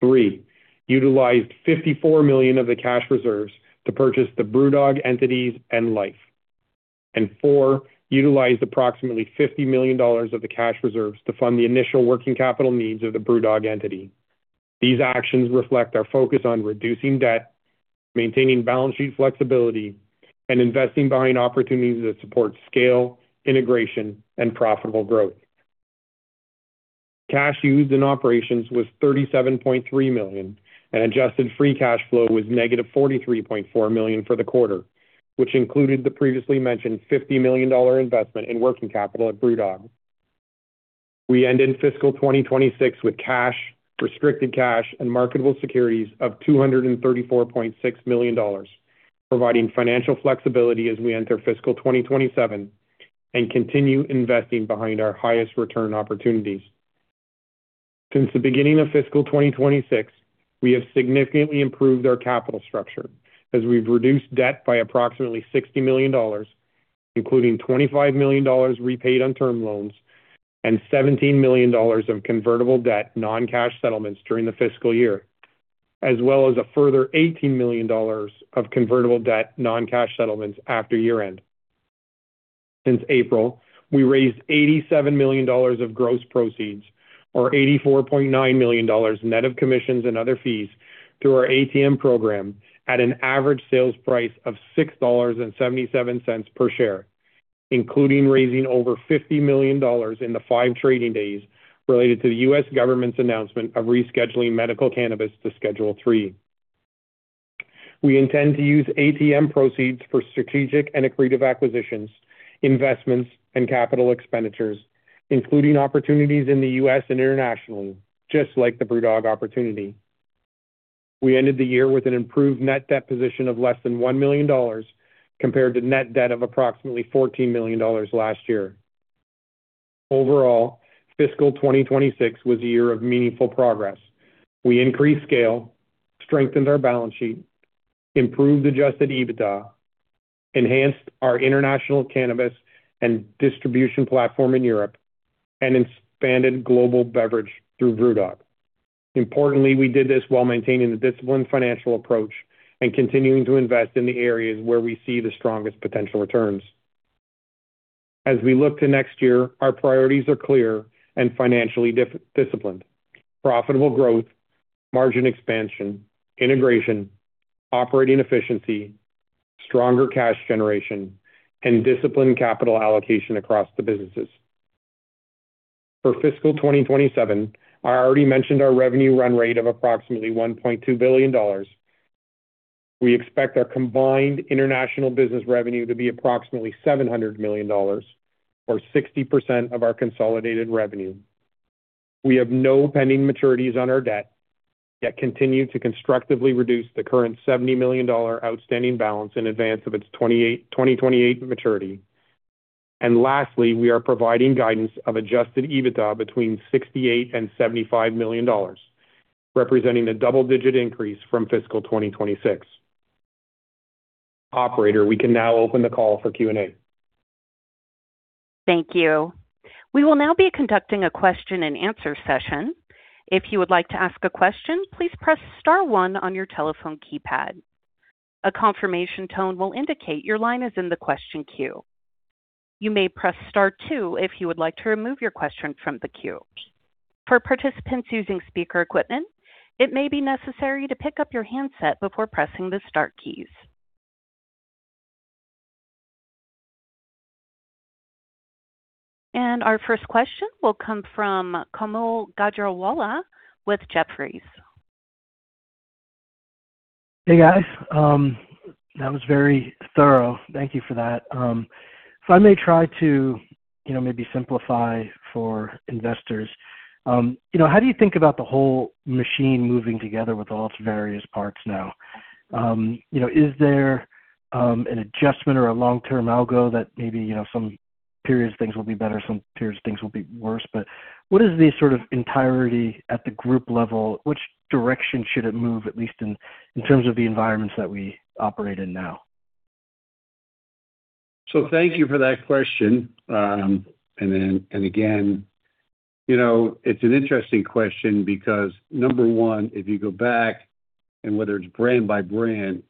Three, utilized $54 million of the cash reserves to purchase the BrewDog entities and Lyphe. Four, utilized approximately $50 million of the cash reserves to fund the initial working capital needs of the BrewDog entity. These actions reflect our focus on reducing debt, maintaining balance sheet flexibility, and investing behind opportunities that support scale, integration, and profitable growth. Cash used in operations was $37.3 million, and adjusted free cash flow was -$43.4 million for the quarter, which included the previously mentioned $50 million investment in working capital at BrewDog. We end in fiscal 2026 with cash, restricted cash, and marketable securities of $234.6 million, providing financial flexibility as we enter fiscal 2027 and continue investing behind our highest return opportunities. Since the beginning of fiscal 2026, we have significantly improved our capital structure as we've reduced debt by approximately $60 million, including $25 million repaid on term loans and $17 million of convertible debt non-cash settlements during the fiscal year, as well as a further $18 million of convertible debt non-cash settlements after year-end. Since April, we raised $87 million of gross proceeds, or $84.9 million net of commissions and other fees through our ATM program at an average sales price of $6.77 per share, including raising over $50 million in the five trading days related to the U.S. government's announcement of rescheduling medical cannabis to Schedule III. We intend to use ATM proceeds for strategic and accretive acquisitions, investments, and capital expenditures, including opportunities in the U.S. and internationally, just like the BrewDog opportunity. We ended the year with an improved net debt position of less than $1 million, compared to net debt of approximately $14 million last year. Overall, fiscal 2026 was a year of meaningful progress. We increased scale, strengthened our balance sheet, improved adjusted EBITDA, enhanced our international cannabis and distribution platform in Europe, and expanded global beverage through BrewDog. Importantly, we did this while maintaining the disciplined financial approach and continuing to invest in the areas where we see the strongest potential returns. As we look to next year, our priorities are clear and financially disciplined: profitable growth, margin expansion, integration, operating efficiency, stronger cash generation, and disciplined capital allocation across the businesses. For fiscal 2027, I already mentioned our revenue run rate of approximately $1.2 billion. We expect our combined international business revenue to be approximately $700 million, or 60% of our consolidated revenue. We have no pending maturities on our debt, yet continue to constructively reduce the current $70 million outstanding balance in advance of its 2028 maturity. Lastly, we are providing guidance of adjusted EBITDA between $68 million and $75 million, representing a double-digit increase from fiscal 2026. Operator, we can now open the call for Q&A. Thank you. We will now be conducting a question and answer session. If you would like to ask a question, please press star one on your telephone keypad. A confirmation tone will indicate your line is in the question queue. You may press star two if you would like to remove your question from the queue. For participants using speaker equipment, it may be necessary to pick up your handset before pressing the star keys. Our first question will come from Kaumil Gajrawala with Jefferies. Hey, guys. That was very thorough. Thank you for that. I may try to maybe simplify for investors. How do you think about the whole machine moving together with all its various parts now? Is there an adjustment or a long-term algo that maybe some periods things will be better, some periods things will be worse? What is the sort of entirety at the group level? Which direction should it move, at least in terms of the environments that we operate in now? Thank you for that question. Again, it's an interesting question because, number one, if you go back and whether it's brand by brand,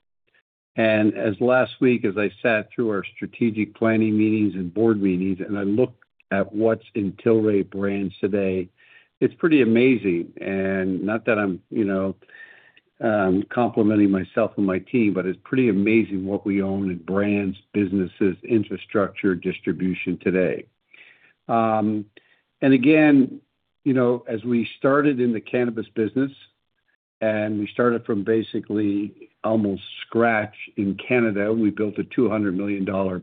as last week, as I sat through our strategic planning meetings and board meetings, I looked at what's in Tilray Brands today, it's pretty amazing. Not that I'm complimenting myself and my team, but it's pretty amazing what we own in brands, businesses, infrastructure, distribution today. Again, as we started in the cannabis business, we started from basically almost scratch in Canada, we built a $200+ million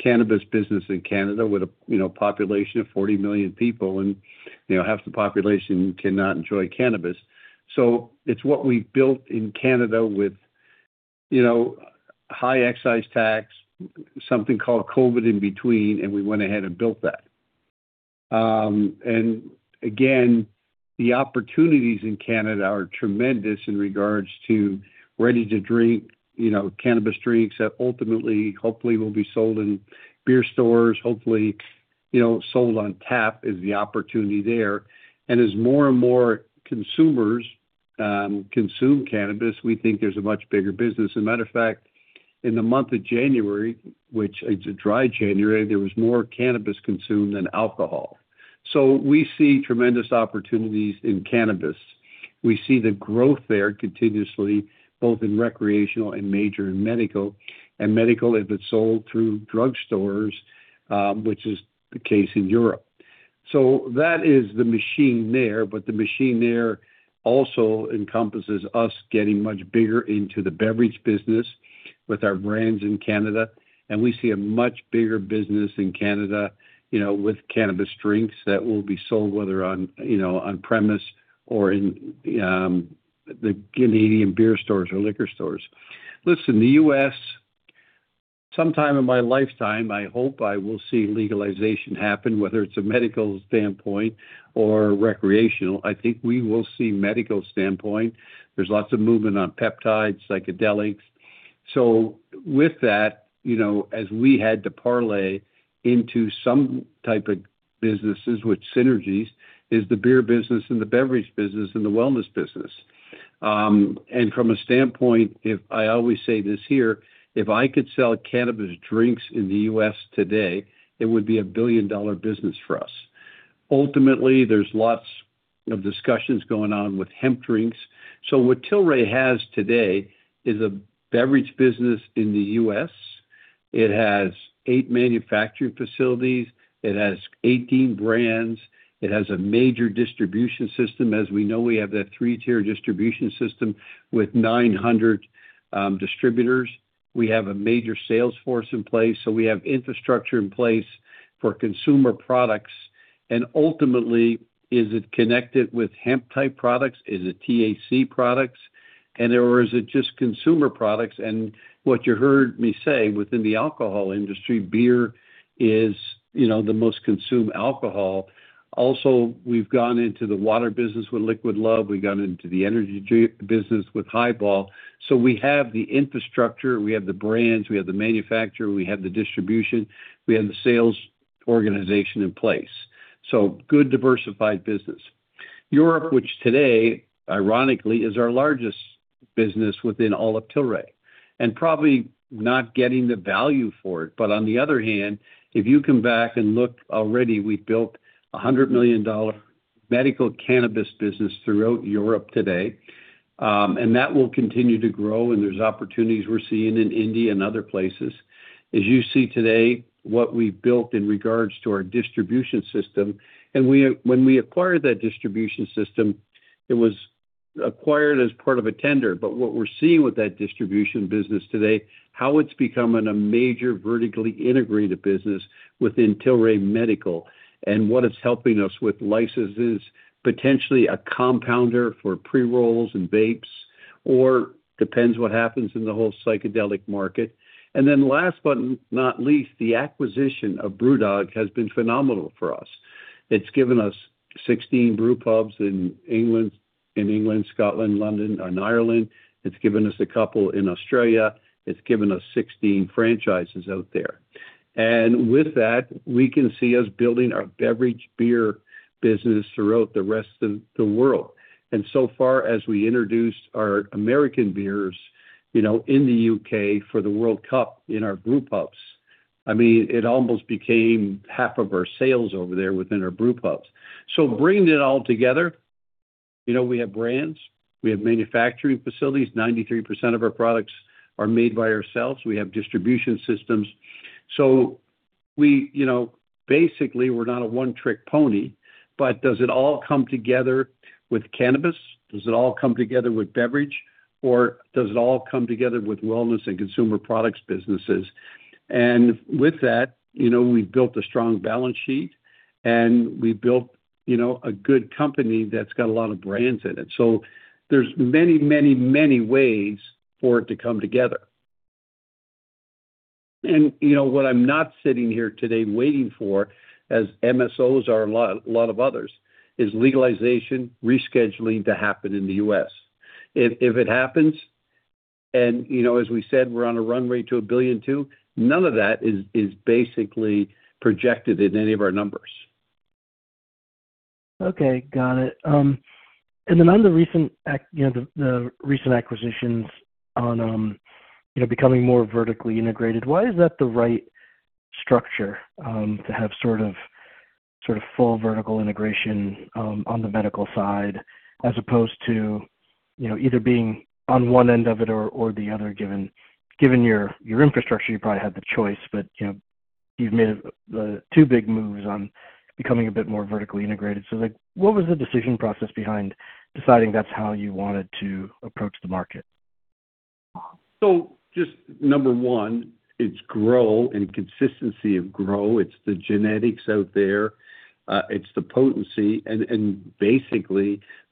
cannabis business in Canada with a population of 40 million people, and half the population cannot enjoy cannabis. It's what we built in Canada with high excise tax, something called COVID in between, and we went ahead and built that. Again, the opportunities in Canada are tremendous in regards to ready-to-drink cannabis drinks that ultimately, hopefully, will be sold in beer stores, hopefully, sold on tap is the opportunity there. As more and more consumers consume cannabis, we think there's a much bigger business. As a matter of fact, in the month of January, which it's a dry January, there was more cannabis consumed than alcohol. We see tremendous opportunities in cannabis. We see the growth there continuously, both in recreational and major in medical. Medical, if it's sold through drugstores, which is the case in Europe. That is the machine there, but the machine there also encompasses us getting much bigger into the beverage business With our brands in Canada, we see a much bigger business in Canada with cannabis drinks that will be sold whether on premise or in the Canadian beer stores or liquor stores. Listen, the U.S., sometime in my lifetime, I hope I will see legalization happen, whether it's a medical standpoint or recreational. I think we will see medical standpoint. There's lots of movement on peptides, psychedelics. With that, as we had to parlay into some type of businesses with synergies, is the beer business and the beverage business and the wellness business. From a standpoint, I always say this here, if I could sell cannabis drinks in the U.S. today, it would be a billion-dollar business for us. Ultimately, there's lots of discussions going on with hemp drinks. What Tilray has today is a beverage business in the U.S. It has eight manufacturing facilities. It has 18 brands. It has a major distribution system. As we know, we have that three-tier distribution system with 900 distributors. We have a major sales force in place, so we have infrastructure in place for consumer products. Ultimately, is it connected with hemp-type products? Is it THC products? Is it just consumer products? What you heard me say within the alcohol industry, beer is the most consumed alcohol. Also, we've gone into the water business with Liquid Love. We've gone into the energy business with Hi*Ball. We have the infrastructure, we have the brands, we have the manufacturer, we have the distribution, we have the sales organization in place. Good diversified business. Europe, which today, ironically, is our largest business within all of Tilray, and probably not getting the value for it, but on the other hand, if you come back and look already, we've built $100 million medical cannabis business throughout Europe today. That will continue to grow, and there's opportunities we're seeing in India and other places. As you see today, what we've built in regards to our distribution system. When we acquired that distribution system, it was acquired as part of a tender. What we're seeing with that distribution business today, how it's becoming a major vertically integrated business within Tilray Medical. What it's helping us with licenses, potentially a compounder for pre-rolls and vapes, or depends what happens in the whole psychedelic market. Then last but not least, the acquisition of BrewDog has been phenomenal for us. It's given us 16 brewpubs in England, Scotland, London, and Ireland. It's given us a couple in Australia. It's given us 16 franchises out there. With that, we can see us building our beverage beer business throughout the rest of the world. So far, as we introduced our American beers in the U.K. for the World Cup in our brewpubs, it almost became half of our sales over there within our brewpubs. Bringing it all together, we have brands, we have manufacturing facilities. 93% of our products are made by ourselves. We have distribution systems. Basically, we're not a one-trick pony, does it all come together with cannabis? Does it all come together with beverage? Does it all come together with wellness and consumer products businesses? With that, we've built a strong balance sheet, and we've built a good company that's got a lot of brands in it. There's many ways for it to come together. What I'm not sitting here today waiting for, as MSOs are a lot of others, is legalization rescheduling to happen in the U.S. If it happens, and as we said, we're on a run rate to $1.2 billion, none of that is basically projected in any of our numbers. Okay. Got it. On the recent acquisitions on becoming more vertically integrated, why is that the right structure to have full vertical integration on the medical side as opposed to either being on one end of it or the other. Given your infrastructure, you probably had the choice, but you've made the two big moves on becoming a bit more vertically integrated. What was the decision process behind deciding that's how you wanted to approach the market? Just number one, it's grow and consistency of grow. It's the genetics out there. It's the potency.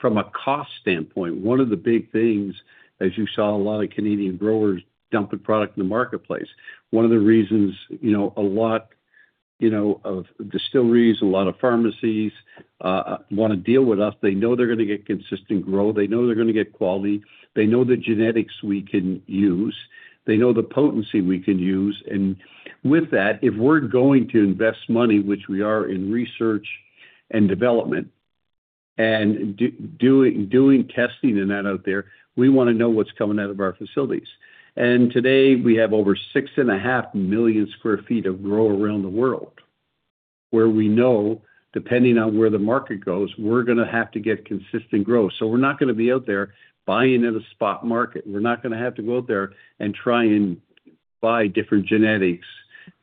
From a cost standpoint, one of the big things, as you saw a lot of Canadian growers dump the product in the marketplace. One of the reasons a lot of distilleries, a lot of pharmacies want to deal with us, they know they're going to get consistent grow. They know they're going to get quality. They know the genetics we can use. They know the potency we can use. With that, if we're going to invest money, which we are in research and development, and doing testing and that out there, we want to know what's coming out of our facilities. Today, we have over 6.5 million sq ft of grow around the world, where we know, depending on where the market goes, we're going to have to get consistent growth. We're not going to be out there buying in a spot market. We're not going to have to go out there and try and buy different genetics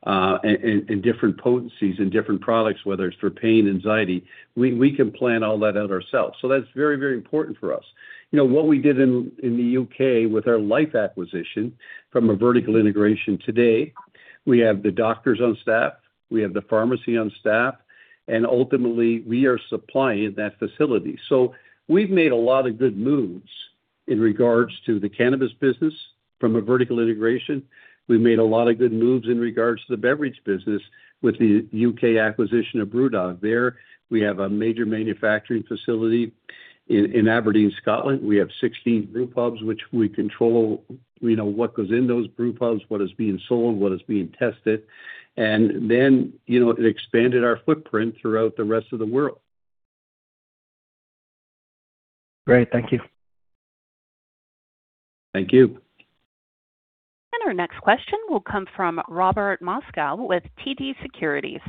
in different potencies, in different products, whether it's for pain, anxiety. We can plan all that out ourselves. That's very important for us. What we did in the U.K. with our Lyphe acquisition from a vertical integration today, we have the doctors on staff, we have the pharmacy on staff, ultimately we are supplying that facility. We've made a lot of good moves in regards to the cannabis business from a vertical integration. We've made a lot of good moves in regards to the beverage business with the U.K. acquisition of BrewDog. There, we have a major manufacturing facility in Aberdeen, Scotland. We have 16 brew pubs, which we control what goes in those brew pubs, what is being sold, what is being tested. Then, it expanded our footprint throughout the rest of the world. Great. Thank you. Thank you. Our next question will come from Robert Moskow with TD Securities.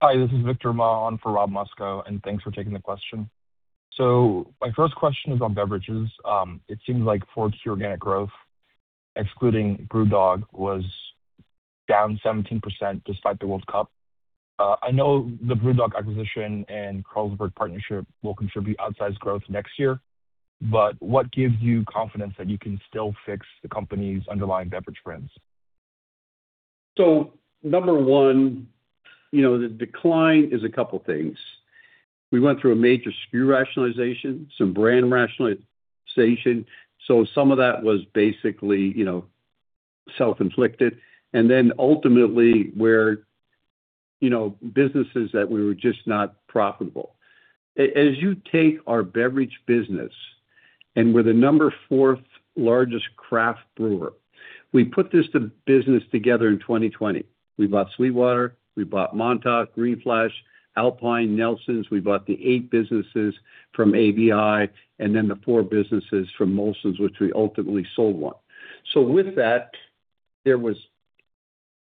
Hi, this is Victor Ma on for Rob Moskow, thanks for taking the question. My first question is on beverages. It seems like 4Q organic growth, excluding BrewDog, was down 17% despite the World Cup. I know the BrewDog acquisition and Carlsberg partnership will contribute outsized growth next year, what gives you confidence that you can still fix the company's underlying beverage brands? Number one, the decline is a couple things. We went through a major SKU rationalization, some brand rationalization. Some of that was basically self-inflicted. Ultimately where businesses that were just not profitable. You take our beverage business, and we're the number fourth largest craft brewer, we put this business together in 2020. We bought SweetWater, we bought Montauk, Green Flash, Alpine, Nelson's. We bought the eight businesses from ABI, then the four businesses from Molson's, which we ultimately sold one. With that, there was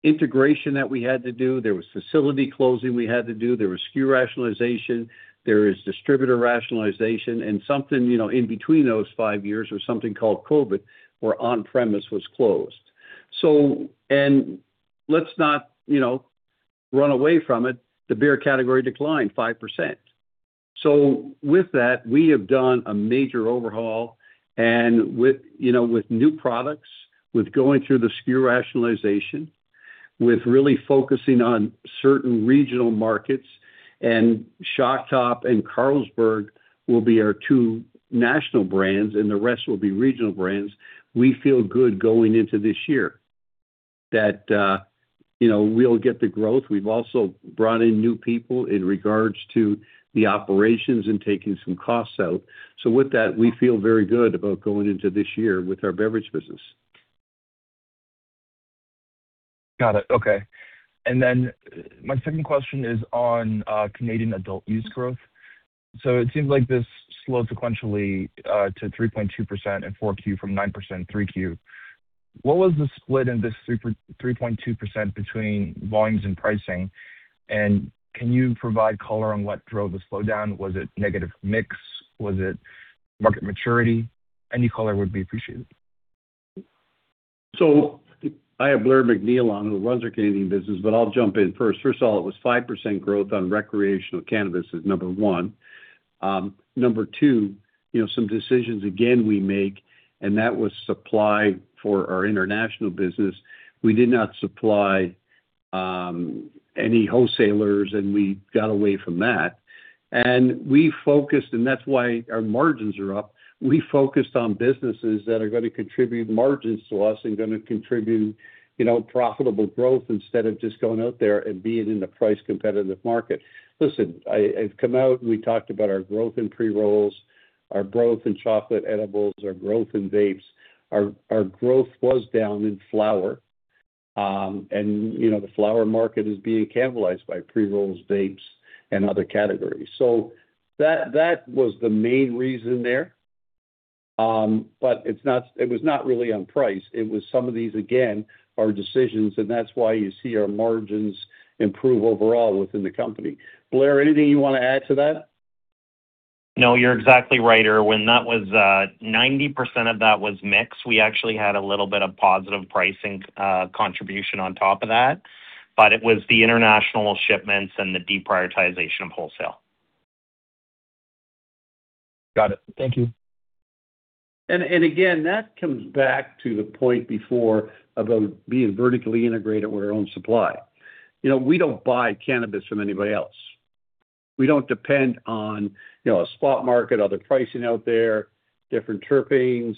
integration that we had to do. There was facility closing we had to do. There was SKU rationalization. There is distributor rationalization. Something in between those five years was something called COVID, where on-premise was closed. Let's not run away from it, the beer category declined 5%. With that, we have done a major overhaul and with new products, with going through the SKU rationalization, with really focusing on certain regional markets, Shock Top and Carlsberg will be our two national brands and the rest will be regional brands. We feel good going into this year that we'll get the growth. We've also brought in new people in regards to the operations and taking some costs out. With that, we feel very good about going into this year with our beverage business. Got it. Okay. My second question is on Canadian adult-use growth. It seems like this slowed sequentially to 3.2% in 4Q from 9% 3Q. What was the split in this 3.2% between volumes and pricing? Can you provide color on what drove the slowdown? Was it negative mix? Was it market maturity? Any color would be appreciated. I have Blair MacNeil on who runs our Canadian business, but I'll jump in first. First of all, it was 5% growth on recreational cannabis is number one. Number two, some decisions again we make, that was supply for our international business. We did not supply any wholesalers, we got away from that. We focused, that's why our margins are up. We focused on businesses that are going to contribute margins to us going to contribute profitable growth instead of just going out there and being in the price competitive market. Listen, I've come out and we talked about our growth in pre-rolls, our growth in chocolate edibles, our growth in vapes. Our growth was down in flower. The flower market is being cannibalized by pre-rolls, vapes, and other categories. That was the main reason there, but it was not really on price. It was some of these, again, are decisions, and that's why you see our margins improve overall within the company. Blair, anything you want to add to that? No, you're exactly right, Irwin. 90% of that was mix. We actually had a little bit of positive pricing contribution on top of that. It was the international shipments and the deprioritization of wholesale. Got it. Thank you. Again, that comes back to the point before about being vertically integrated with our own supply. We don't buy cannabis from anybody else. We don't depend on a spot market, other pricing out there, different terpenes,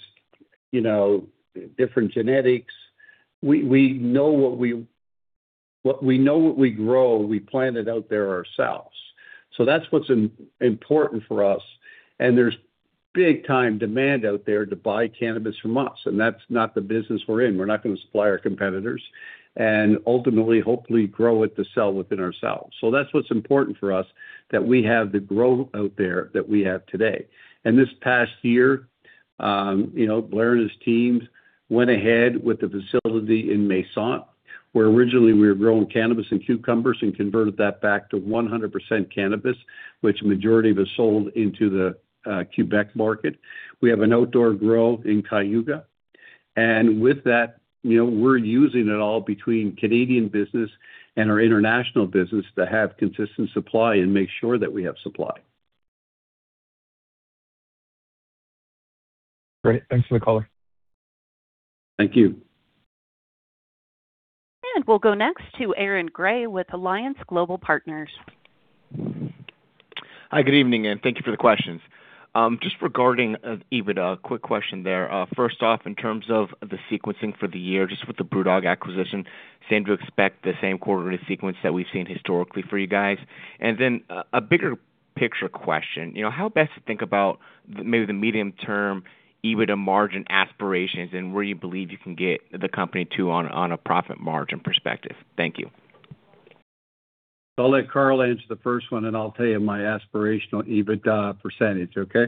different genetics. We know what we grow. We plant it out there ourselves. That's what's important for us. There's big time demand out there to buy cannabis from us, and that's not the business we're in. We're not going to supply our competitors and ultimately, hopefully grow it to sell within ourselves. That's what's important for us, that we have the growth out there that we have today. This past year, Blair and his teams went ahead with the facility in Masson where originally we were growing cannabis and cucumbers and converted that back to 100% cannabis, which majority of is sold into the Quebec market. We have an outdoor grow in Cayuga. With that, we're using it all between Canadian business and our international business to have consistent supply and make sure that we have supply. Great. Thanks for the color. Thank you. We'll go next to Aaron Grey with Alliance Global Partners. Hi, good evening, and thank you for the questions. Just regarding EBITDA, a quick question there. First off, in terms of the sequencing for the year, just with the BrewDog acquisition, same to expect the same quarterly sequence that we've seen historically for you guys? A bigger picture question, how best to think about maybe the medium term EBITDA margin aspirations and where you believe you can get the company to on a profit margin perspective? Thank you. I'll let Carl answer the first one, and I'll tell you my aspirational EBITDA percentage, okay?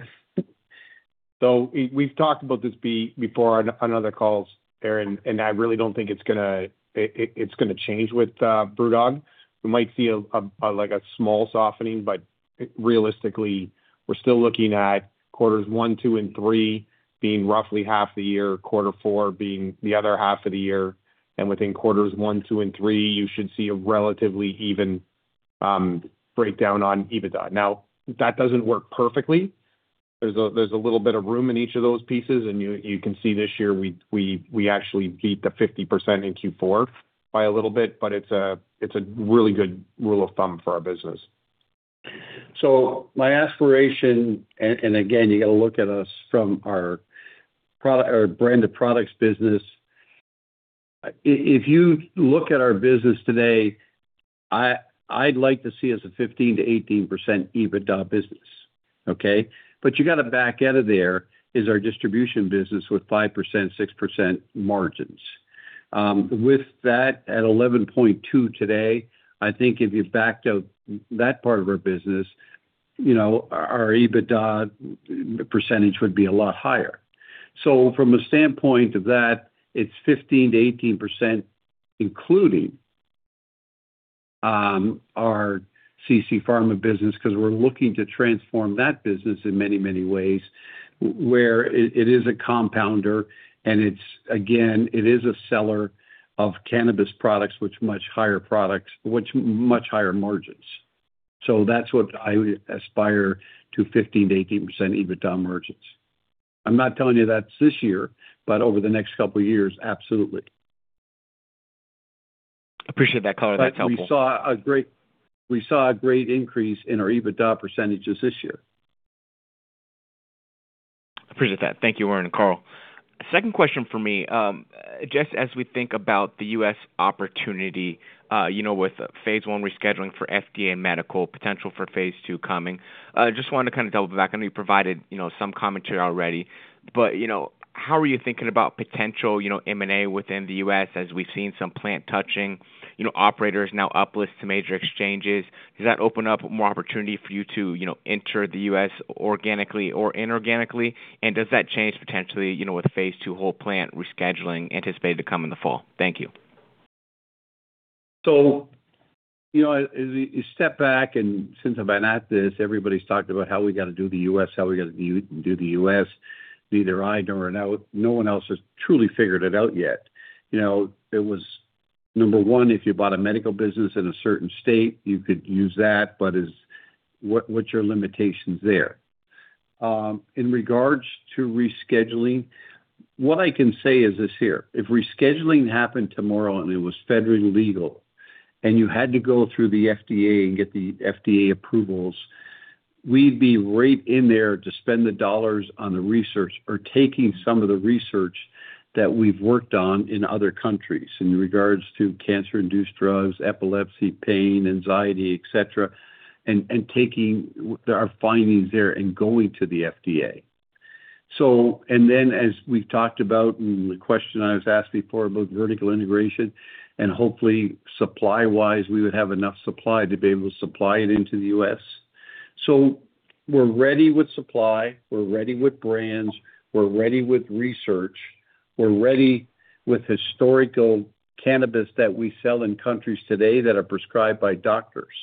We've talked about this before on other calls, Aaron, and I really don't think it's going to change with BrewDog. We might see a small softening, but realistically, we're still looking at quarters one, two, and three being roughly half the year, quarter four being the other half of the year. Within quarters one, two, and three, you should see a relatively even breakdown on EBITDA. Now, that doesn't work perfectly. There's a little bit of room in each of those pieces, and you can see this year we actually beat the 50% in Q4 by a little bit, but it's a really good rule of thumb for our business. My aspiration, again, you got to look at us from our brand of products business. If you look at our business today, I'd like to see us at 15%-18% EBITDA business, okay. You got to back out of there is our distribution business with 5%-6% margins. With that at 11.2% today, I think if you backed out that part of our business, our EBITDA percentage would be a lot higher. From a standpoint of that, it's 15%-18%, including, our CC Pharma business, because we're looking to transform that business in many, many ways, where it is a compounder and it's a seller of cannabis products with much higher margins. That's what I aspire to 15%-18% EBITDA margins. I'm not telling you that's this year, but over the next couple of years, absolutely. Appreciate that color. That's helpful. We saw a great increase in our EBITDA percentage this year. Appreciate that. Thank you, Irwin and Carl. Second question for me. Just as we think about the U.S. opportunity, with phase I rescheduling for FDA medical, potential for phase II coming, just wanted to kind of double back, and you provided some commentary already, but how are you thinking about potential M&A within the U.S. as we've seen some plant touching, operators now uplist to major exchanges? Does that open up more opportunity for you to enter the U.S. organically or inorganically? Does that change potentially, with phase II whole plant rescheduling anticipated to come in the fall? Thank you. As you step back and since I've been at this, everybody's talked about how we got to do the U.S., how we got to do the U.S. Neither I nor no one else has truly figured it out yet. There was, number one, if you bought a medical business in a certain state, you could use that, but what's your limitations there? In regards to rescheduling, what I can say is this here. If rescheduling happened tomorrow and it was federally legal, and you had to go through the FDA and get the FDA approvals, we'd be right in there to spend the dollars on the research or taking some of the research that we've worked on in other countries in regards to cancer-induced drugs, epilepsy, pain, anxiety, et cetera, and taking our findings there and going to the FDA. As we've talked about in the question I was asked before about vertical integration, hopefully supply-wise, we would have enough supply to be able to supply it into the U.S. We're ready with supply, we're ready with brands, we're ready with research, we're ready with historical cannabis that we sell in countries today that are prescribed by doctors.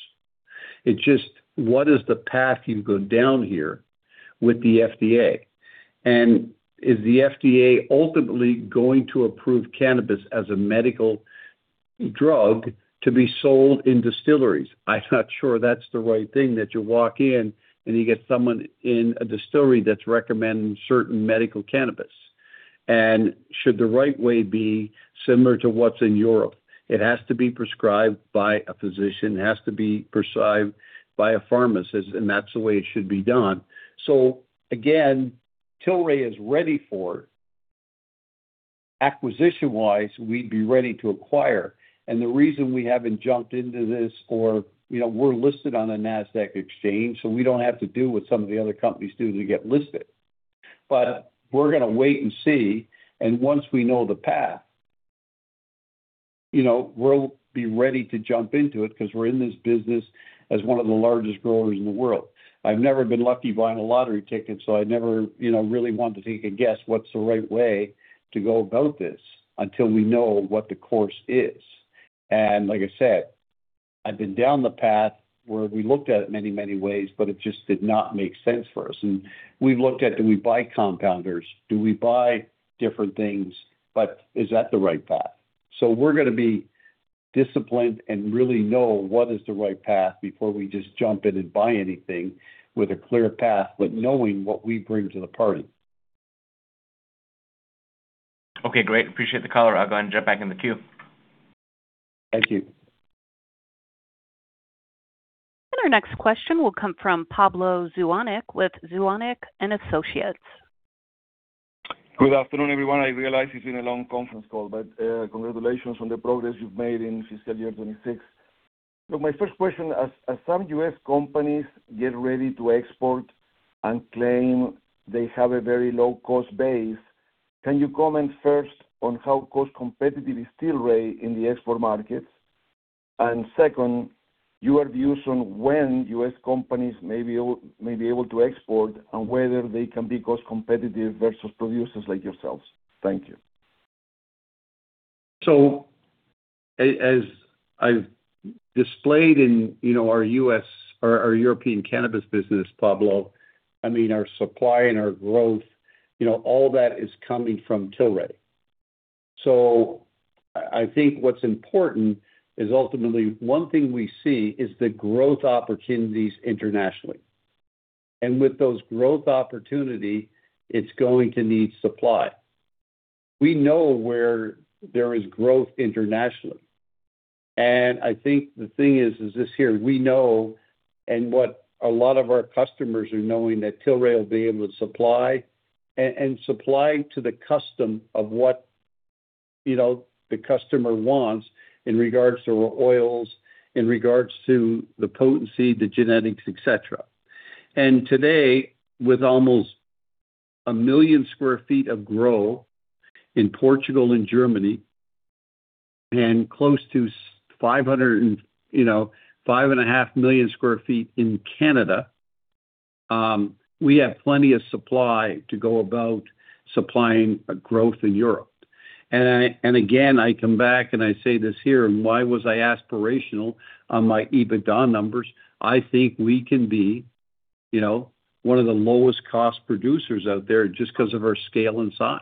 It's just, what is the path you go down here with the FDA? Is the FDA ultimately going to approve cannabis as a medical drug to be sold in distilleries? I'm not sure that's the right thing that you walk in and you get someone in a distillery that's recommending certain medical cannabis. Should the right way be similar to what's in Europe? It has to be prescribed by a physician, it has to be prescribed by a pharmacist, that's the way it should be done. Again, Tilray is ready for Acquisition-wise, we'd be ready to acquire. The reason we haven't jumped into this, we're listed on the Nasdaq Exchange, we don't have to do what some of the other companies do to get listed. We're going to wait and see, and once we know the path, we'll be ready to jump into it because we're in this business as one of the largest growers in the world. I've never been lucky buying a lottery ticket, I never really want to take a guess what's the right way to go about this until we know what the course is. I've been down the path where we looked at it many, many ways, it just did not make sense for us. We've looked at, do we buy compounders? Do we buy different things, is that the right path? We're going to be disciplined and really know what is the right path before we just jump in and buy anything with a clear path, knowing what we bring to the party. Okay, great. Appreciate the call. I'll go ahead and jump back in the queue. Thank you. Our next question will come from Pablo Zuanic with Zuanic & Associates. Good afternoon, everyone. I realize it's been a long conference call, but congratulations on the progress you've made in fiscal year 2026. My first question, as some U.S. companies get ready to export and claim they have a very low cost base, can you comment first on how cost competitive is Tilray in the export markets? Second, your views on when U.S. companies may be able to export and whether they can be cost competitive versus producers like yourselves. Thank you. As I've displayed in our European cannabis business, Pablo, our supply and our growth, all that is coming from Tilray. I think what's important is ultimately one thing we see is the growth opportunities internationally. With those growth opportunity, it's going to need supply. We know where there is growth internationally. I think the thing is this here, we know, and what a lot of our customers are knowing, that Tilray will be able to supply and supply to the custom of what the customer wants in regards to oils, in regards to the potency, the genetics, et cetera. Today, with almost 1 million sq ft of grow in Portugal and Germany, and close to 5.5 million sq ft in Canada, we have plenty of supply to go about supplying a growth in Europe. I come back and I say this here, why was I aspirational on my EBITDA numbers? I think we can be one of the lowest cost producers out there just because of our scale and size.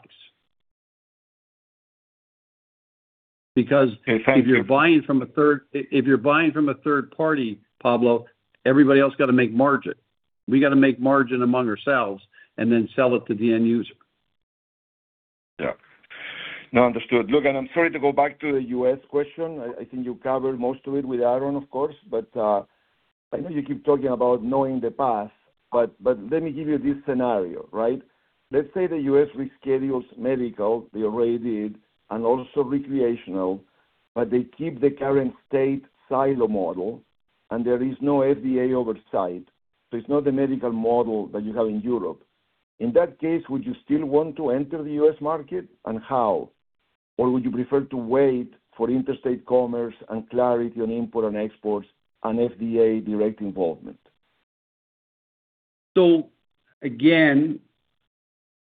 Okay. Thank you If you're buying from a third party, Pablo, everybody else got to make margin. We got to make margin among ourselves and then sell it to the end user. Yeah. No, understood. Look, I'm sorry to go back to the U.S. question. I think you covered most of it with Aaron, of course. I know you keep talking about knowing the path, but let me give you this scenario, right? Let's say the U.S. reschedules medical, they already did, and also recreational, but they keep the current state silo model and there is no FDA oversight. It's not the medical model that you have in Europe. In that case, would you still want to enter the U.S. market, and how? Or would you prefer to wait for interstate commerce and clarity on import and exports and FDA direct involvement? Again,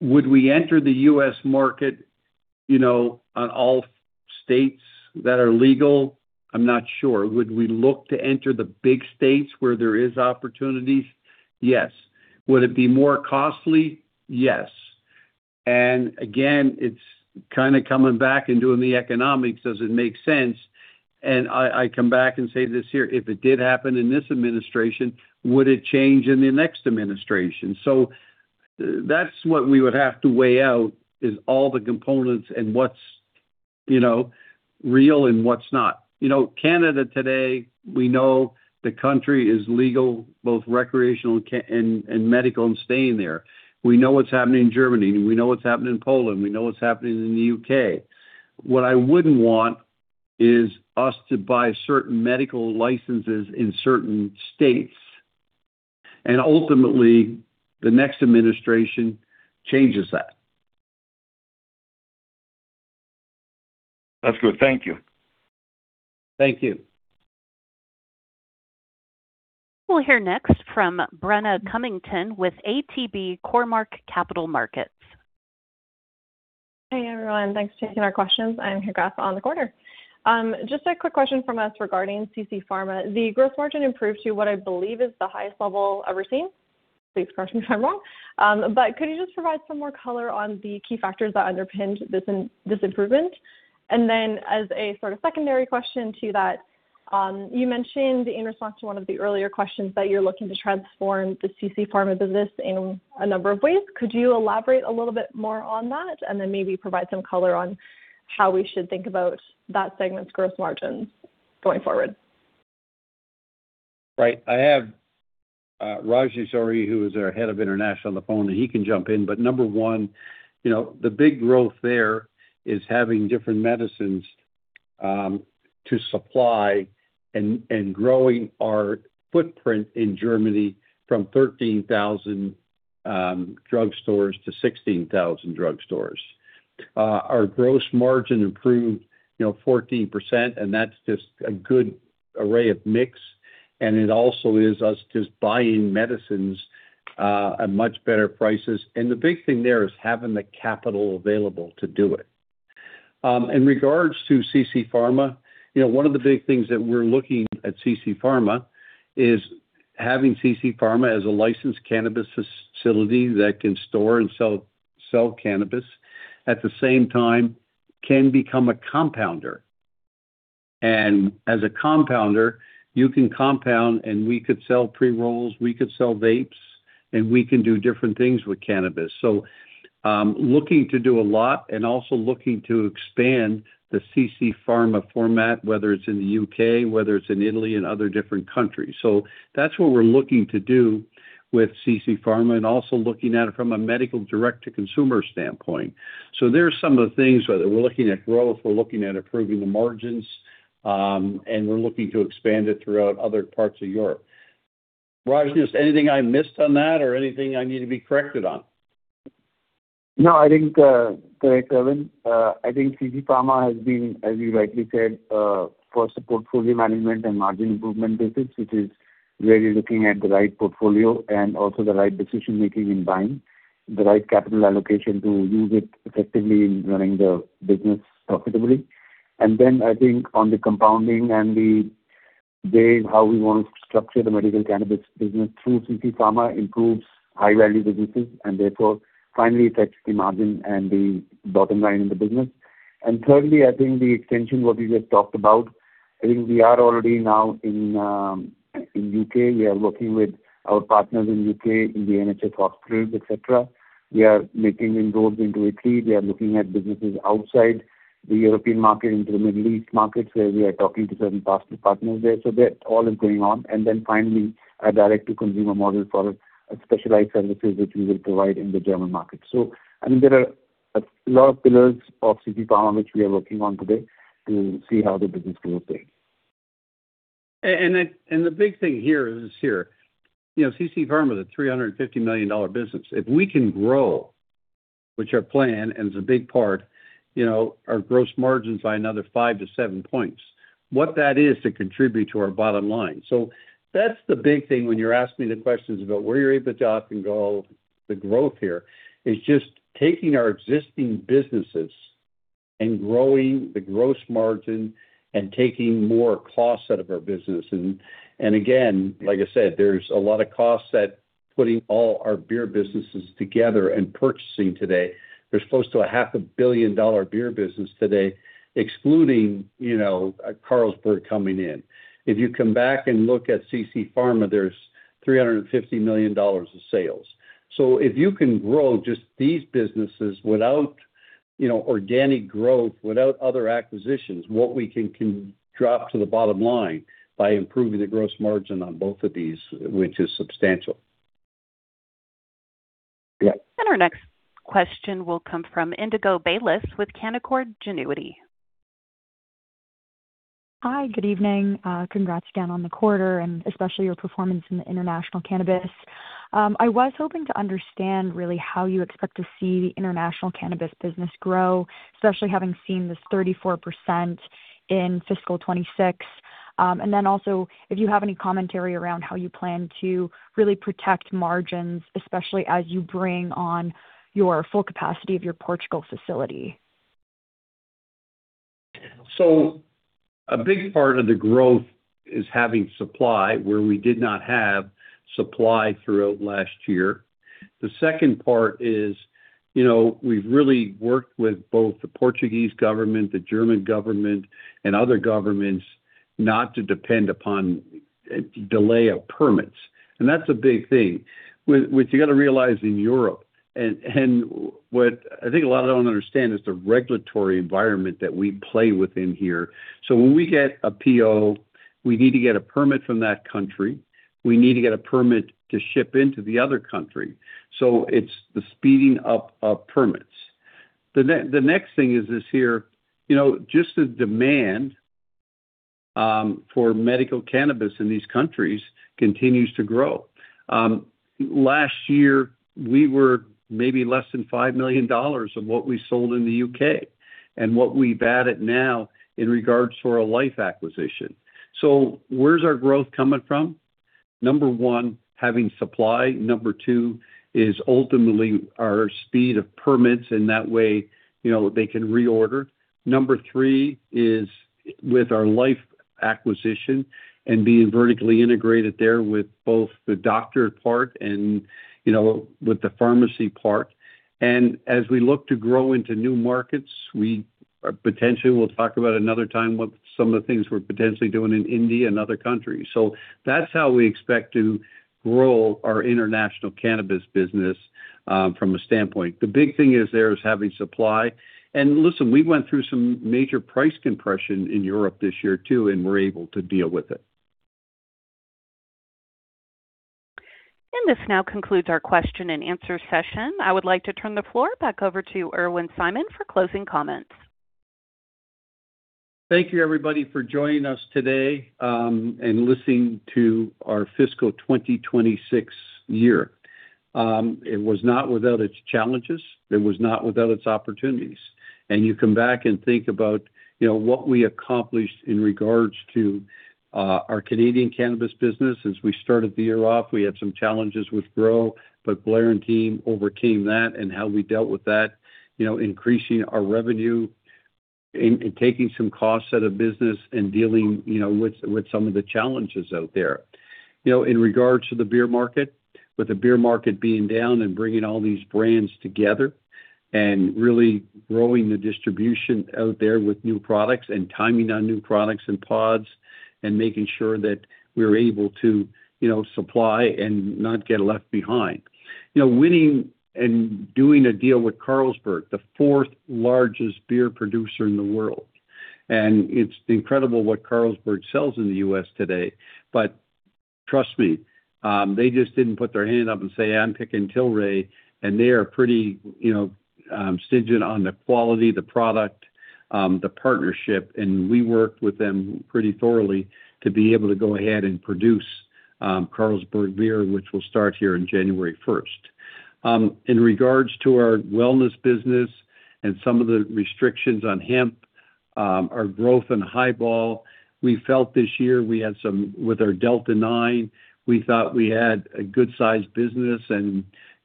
would we enter the U.S. market, on all states that are legal? I'm not sure. Would we look to enter the big states where there is opportunities? Yes. Would it be more costly? Yes. Again, it's kind of coming back and doing the economics. Does it make sense? I come back and say this here, if it did happen in this administration, would it change in the next administration? That's what we would have to weigh out, is all the components and what's real and what's not. Canada today, we know the country is legal, both recreational and medical and staying there. We know what's happening in Germany. We know what's happening in Poland. We know what's happening in the U.K. What I wouldn't want is us to buy certain medical licenses in certain states, and ultimately the next administration changes that. That's good. Thank you. Thank you. We'll hear next from Brenna Cunnington with ATB Cormark Capital Markets. Hey everyone, thanks for taking our questions. I'm here grasp on the quarter. Just a quick question from us regarding CC Pharma. The growth margin improved to what I believe is the highest level ever seen. Please correct me if I'm wrong. Could you just provide some more color on the key factors that underpinned this improvement? Then as a sort of secondary question to that, you mentioned in response to one of the earlier questions that you're looking to transform the CC Pharma business in a number of ways. Could you elaborate a little bit more on that and then maybe provide some color on how we should think about that segment's growth margin going forward? Right. I have Rajnish, who is our head of international, on the phone, he can jump in. Number one, the big growth there is having different medicines to supply and growing our footprint in Germany from 13,000 drugstores to 16,000 drugstores. Our gross margin improved 14%, that's just a good array of mix, it also is us just buying medicines at much better prices. The big thing there is having the capital available to do it. In regards to CC Pharma, one of the big things that we're looking at CC Pharma is having CC Pharma as a licensed cannabis facility that can store and sell cannabis, at the same time, can become a compounder. As a compounder, you can compound and we could sell pre-rolls, we could sell vapes, and we can do different things with cannabis. Looking to do a lot and also looking to expand the CC Pharma format, whether it's in the U.K., whether it's in Italy and other different countries. That's what we're looking to do with CC Pharma, and also looking at it from a medical direct to consumer standpoint. There are some of the things, whether we're looking at growth, we're looking at improving the margins, and we're looking to expand it throughout other parts of Europe. Rajnish, anything I missed on that or anything I need to be corrected on? No, I think, correct, Irwin. I think CC Pharma has been, as you rightly said, first a portfolio management and margin improvement business, which is really looking at the right portfolio and also the right decision-making in buying the right capital allocation to use it effectively in running the business profitably. Then I think on the compounding and the ways how we want to structure the medical cannabis business through CC Pharma improves high-value businesses, and therefore finally affects the margin and the bottom line in the business. Thirdly, I think the extension, what we just talked about, I think we are already now in U.K. We are working with our partners in U.K., in the NHS hospitals, et cetera. We are making inroads into Italy. We are looking at businesses outside the European market into the Middle East markets, where we are talking to certain possible partners there. That all is going on. Then finally, a direct to consumer model for specialized services, which we will provide in the German market. I think there are a lot of pillars of CC Pharma which we are working on today to see how the business grows there. The big thing here is, CC Pharma is a $350 million business. If we can grow, which I plan, and is a big part, our gross margins by another 5 to 7 points. What that is to contribute to our bottom line. That's the big thing when you're asking the questions about where you're able to up and go, the growth here, is just taking our existing businesses and growing the gross margin and taking more cost out of our business. Again, like I said, there's a lot of costs that putting all our beer businesses together and purchasing today. There's close to a $0.5 billion beer business today, excluding Carlsberg coming in. You come back and look at CC Pharma, there's $350 million of sales. If you can grow just these businesses without organic growth, without other acquisitions, what we can drop to the bottom line by improving the gross margin on both of these, which is substantial. Yeah. Our next question will come from Indigo Baylis with Canaccord Genuity. Hi, good evening. Congrats again on the quarter and especially your performance in the international cannabis. I was hoping to understand really how you expect to see the international cannabis business grow, especially having seen this 34% in fiscal 2026. If you have any commentary around how you plan to really protect margins, especially as you bring on your full capacity of your Portugal facility. A big part of the growth is having supply where we did not have supply throughout last year. The second part is, we've really worked with both the Portuguese government, the German government, and other governments not to depend upon delay of permits. That's a big thing. What you got to realize in Europe, and what I think a lot of them don't understand, is the regulatory environment that we play within here. When we get a PO, we need to get a permit from that country. We need to get a permit to ship into the other country. It's the speeding up of permits. The next thing is this here, just the demand for medical cannabis in these countries continues to grow. Last year, we were maybe less than $5 million of what we sold in the U.K., and what we bat at now in regards to our Lyphe acquisition. Where's our growth coming from? Number one, having supply. Number two is ultimately our speed of permits, and that way they can reorder. Number three is with our Lyphe acquisition and being vertically integrated there with both the doctor part and with the pharmacy part. As we look to grow into new markets, we potentially will talk about another time what some of the things we're potentially doing in India and other countries. That's how we expect to grow our international cannabis business from a standpoint. The big thing is there is having supply. Listen, we went through some major price compression in Europe this year, too, and were able to deal with it. This now concludes our question and answer session. I would like to turn the floor back over to Irwin Simon for closing comments. Thank you, everybody, for joining us today, and listening to our fiscal 2026 year. It was not without its challenges. It was not without its opportunities. You come back and think about what we accomplished in regards to our Canadian cannabis business, as we started the year off, we had some challenges with grow, but Blair and team overcame that and how we dealt with that, increasing our revenue and taking some costs out of business and dealing with some of the challenges out there. In regards to the beer market, with the beer market being down and bringing all these brands together and really growing the distribution out there with new products and timing on new products and pods and making sure that we're able to supply and not get left behind. Winning and doing a deal with Carlsberg, the fourth largest beer producer in the world. It's incredible what Carlsberg sells in the U.S. today, but trust me, they just didn't put their hand up and say, "I'm picking Tilray." They are pretty stringent on the quality, the product, the partnership. We worked with them pretty thoroughly to be able to go ahead and produce Carlsberg beer, which will start here in January 1st. In regards to our wellness business and some of the restrictions on hemp, our growth in Hi*Ball, we felt this year with our Delta-9, we thought we had a good size business.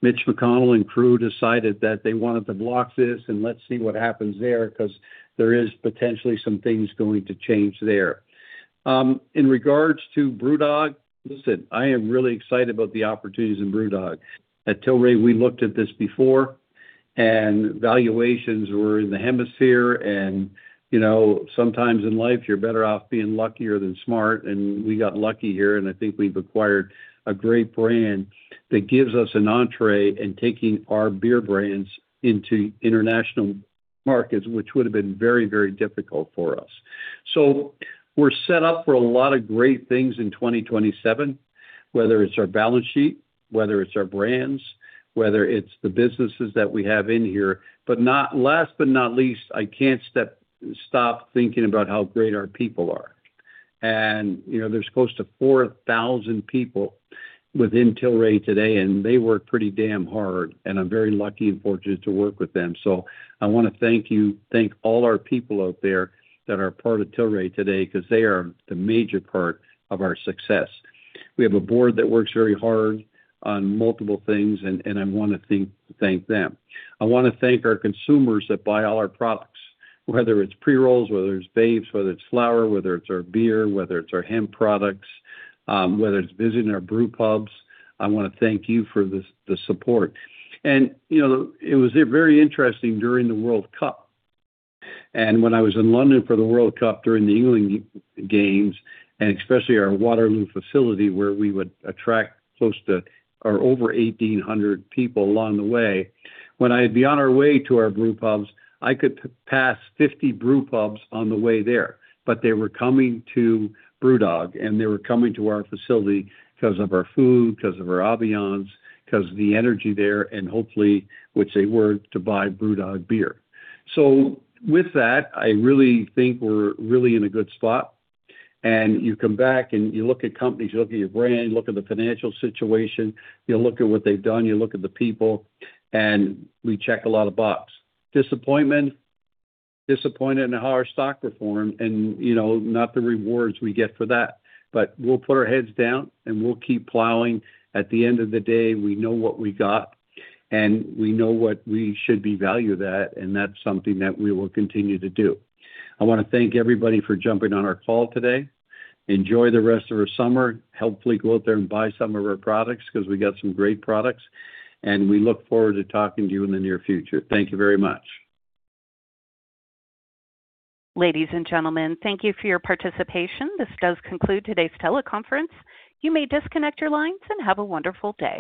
Mitch McConnell and crew decided that they wanted to block this. Let's see what happens there, because there is potentially some things going to change there. In regards to BrewDog, listen, I am really excited about the opportunities in BrewDog. At Tilray, we looked at this before. Valuations were in the hemisphere. Sometimes in life you're better off being luckier than smart. We got lucky here. I think we've acquired a great brand that gives us an entrée in taking our beer brands into international markets, which would've been very difficult for us. We're set up for a lot of great things in 2027, whether it's our balance sheet, whether it's our brands, whether it's the businesses that we have in here. Last but not least, I can't stop thinking about how great our people are. There's close to 4,000 people within Tilray today. They work pretty damn hard. I'm very lucky and fortunate to work with them. I want to thank you, thank all our people out there that are part of Tilray today because they are the major part of our success. We have a board that works very hard on multiple things. I want to thank them. I want to thank our consumers that buy all our products, whether it's pre-rolls, whether it's vapes, whether it's flower, whether it's our beer, whether it's our hemp products, whether it's visiting our brew pubs. I want to thank you for the support. It was very interesting during the World Cup. When I was in London for the World Cup during the England games, especially our Waterloo facility where we would attract close to or over 1,800 people along the way. I'd be on our way to our brew pubs, I could pass 50 brew pubs on the way there, but they were coming to BrewDog, and they were coming to our facility because of our food, because of our ambience, because of the energy there, and hopefully, which they were, to buy BrewDog beer. With that, I really think we're really in a good spot. You come back and you look at companies, you look at your brand, you look at the financial situation, you look at what they've done, you look at the people, and we check a lot of boxes. Disappointment? Disappointed in how our stock performed and not the rewards we get for that. We'll put our heads down, and we'll keep plowing. At the end of the day, we know what we got, and we know what we should be valued at, and that's something that we will continue to do. I want to thank everybody for jumping on our call today. Enjoy the rest of our summer. Hopefully go out there and buy some of our products because we got some great products. We look forward to talking to you in the near future. Thank you very much. Ladies and gentlemen, thank you for your participation. This does conclude today's teleconference. You may disconnect your lines, and have a wonderful day.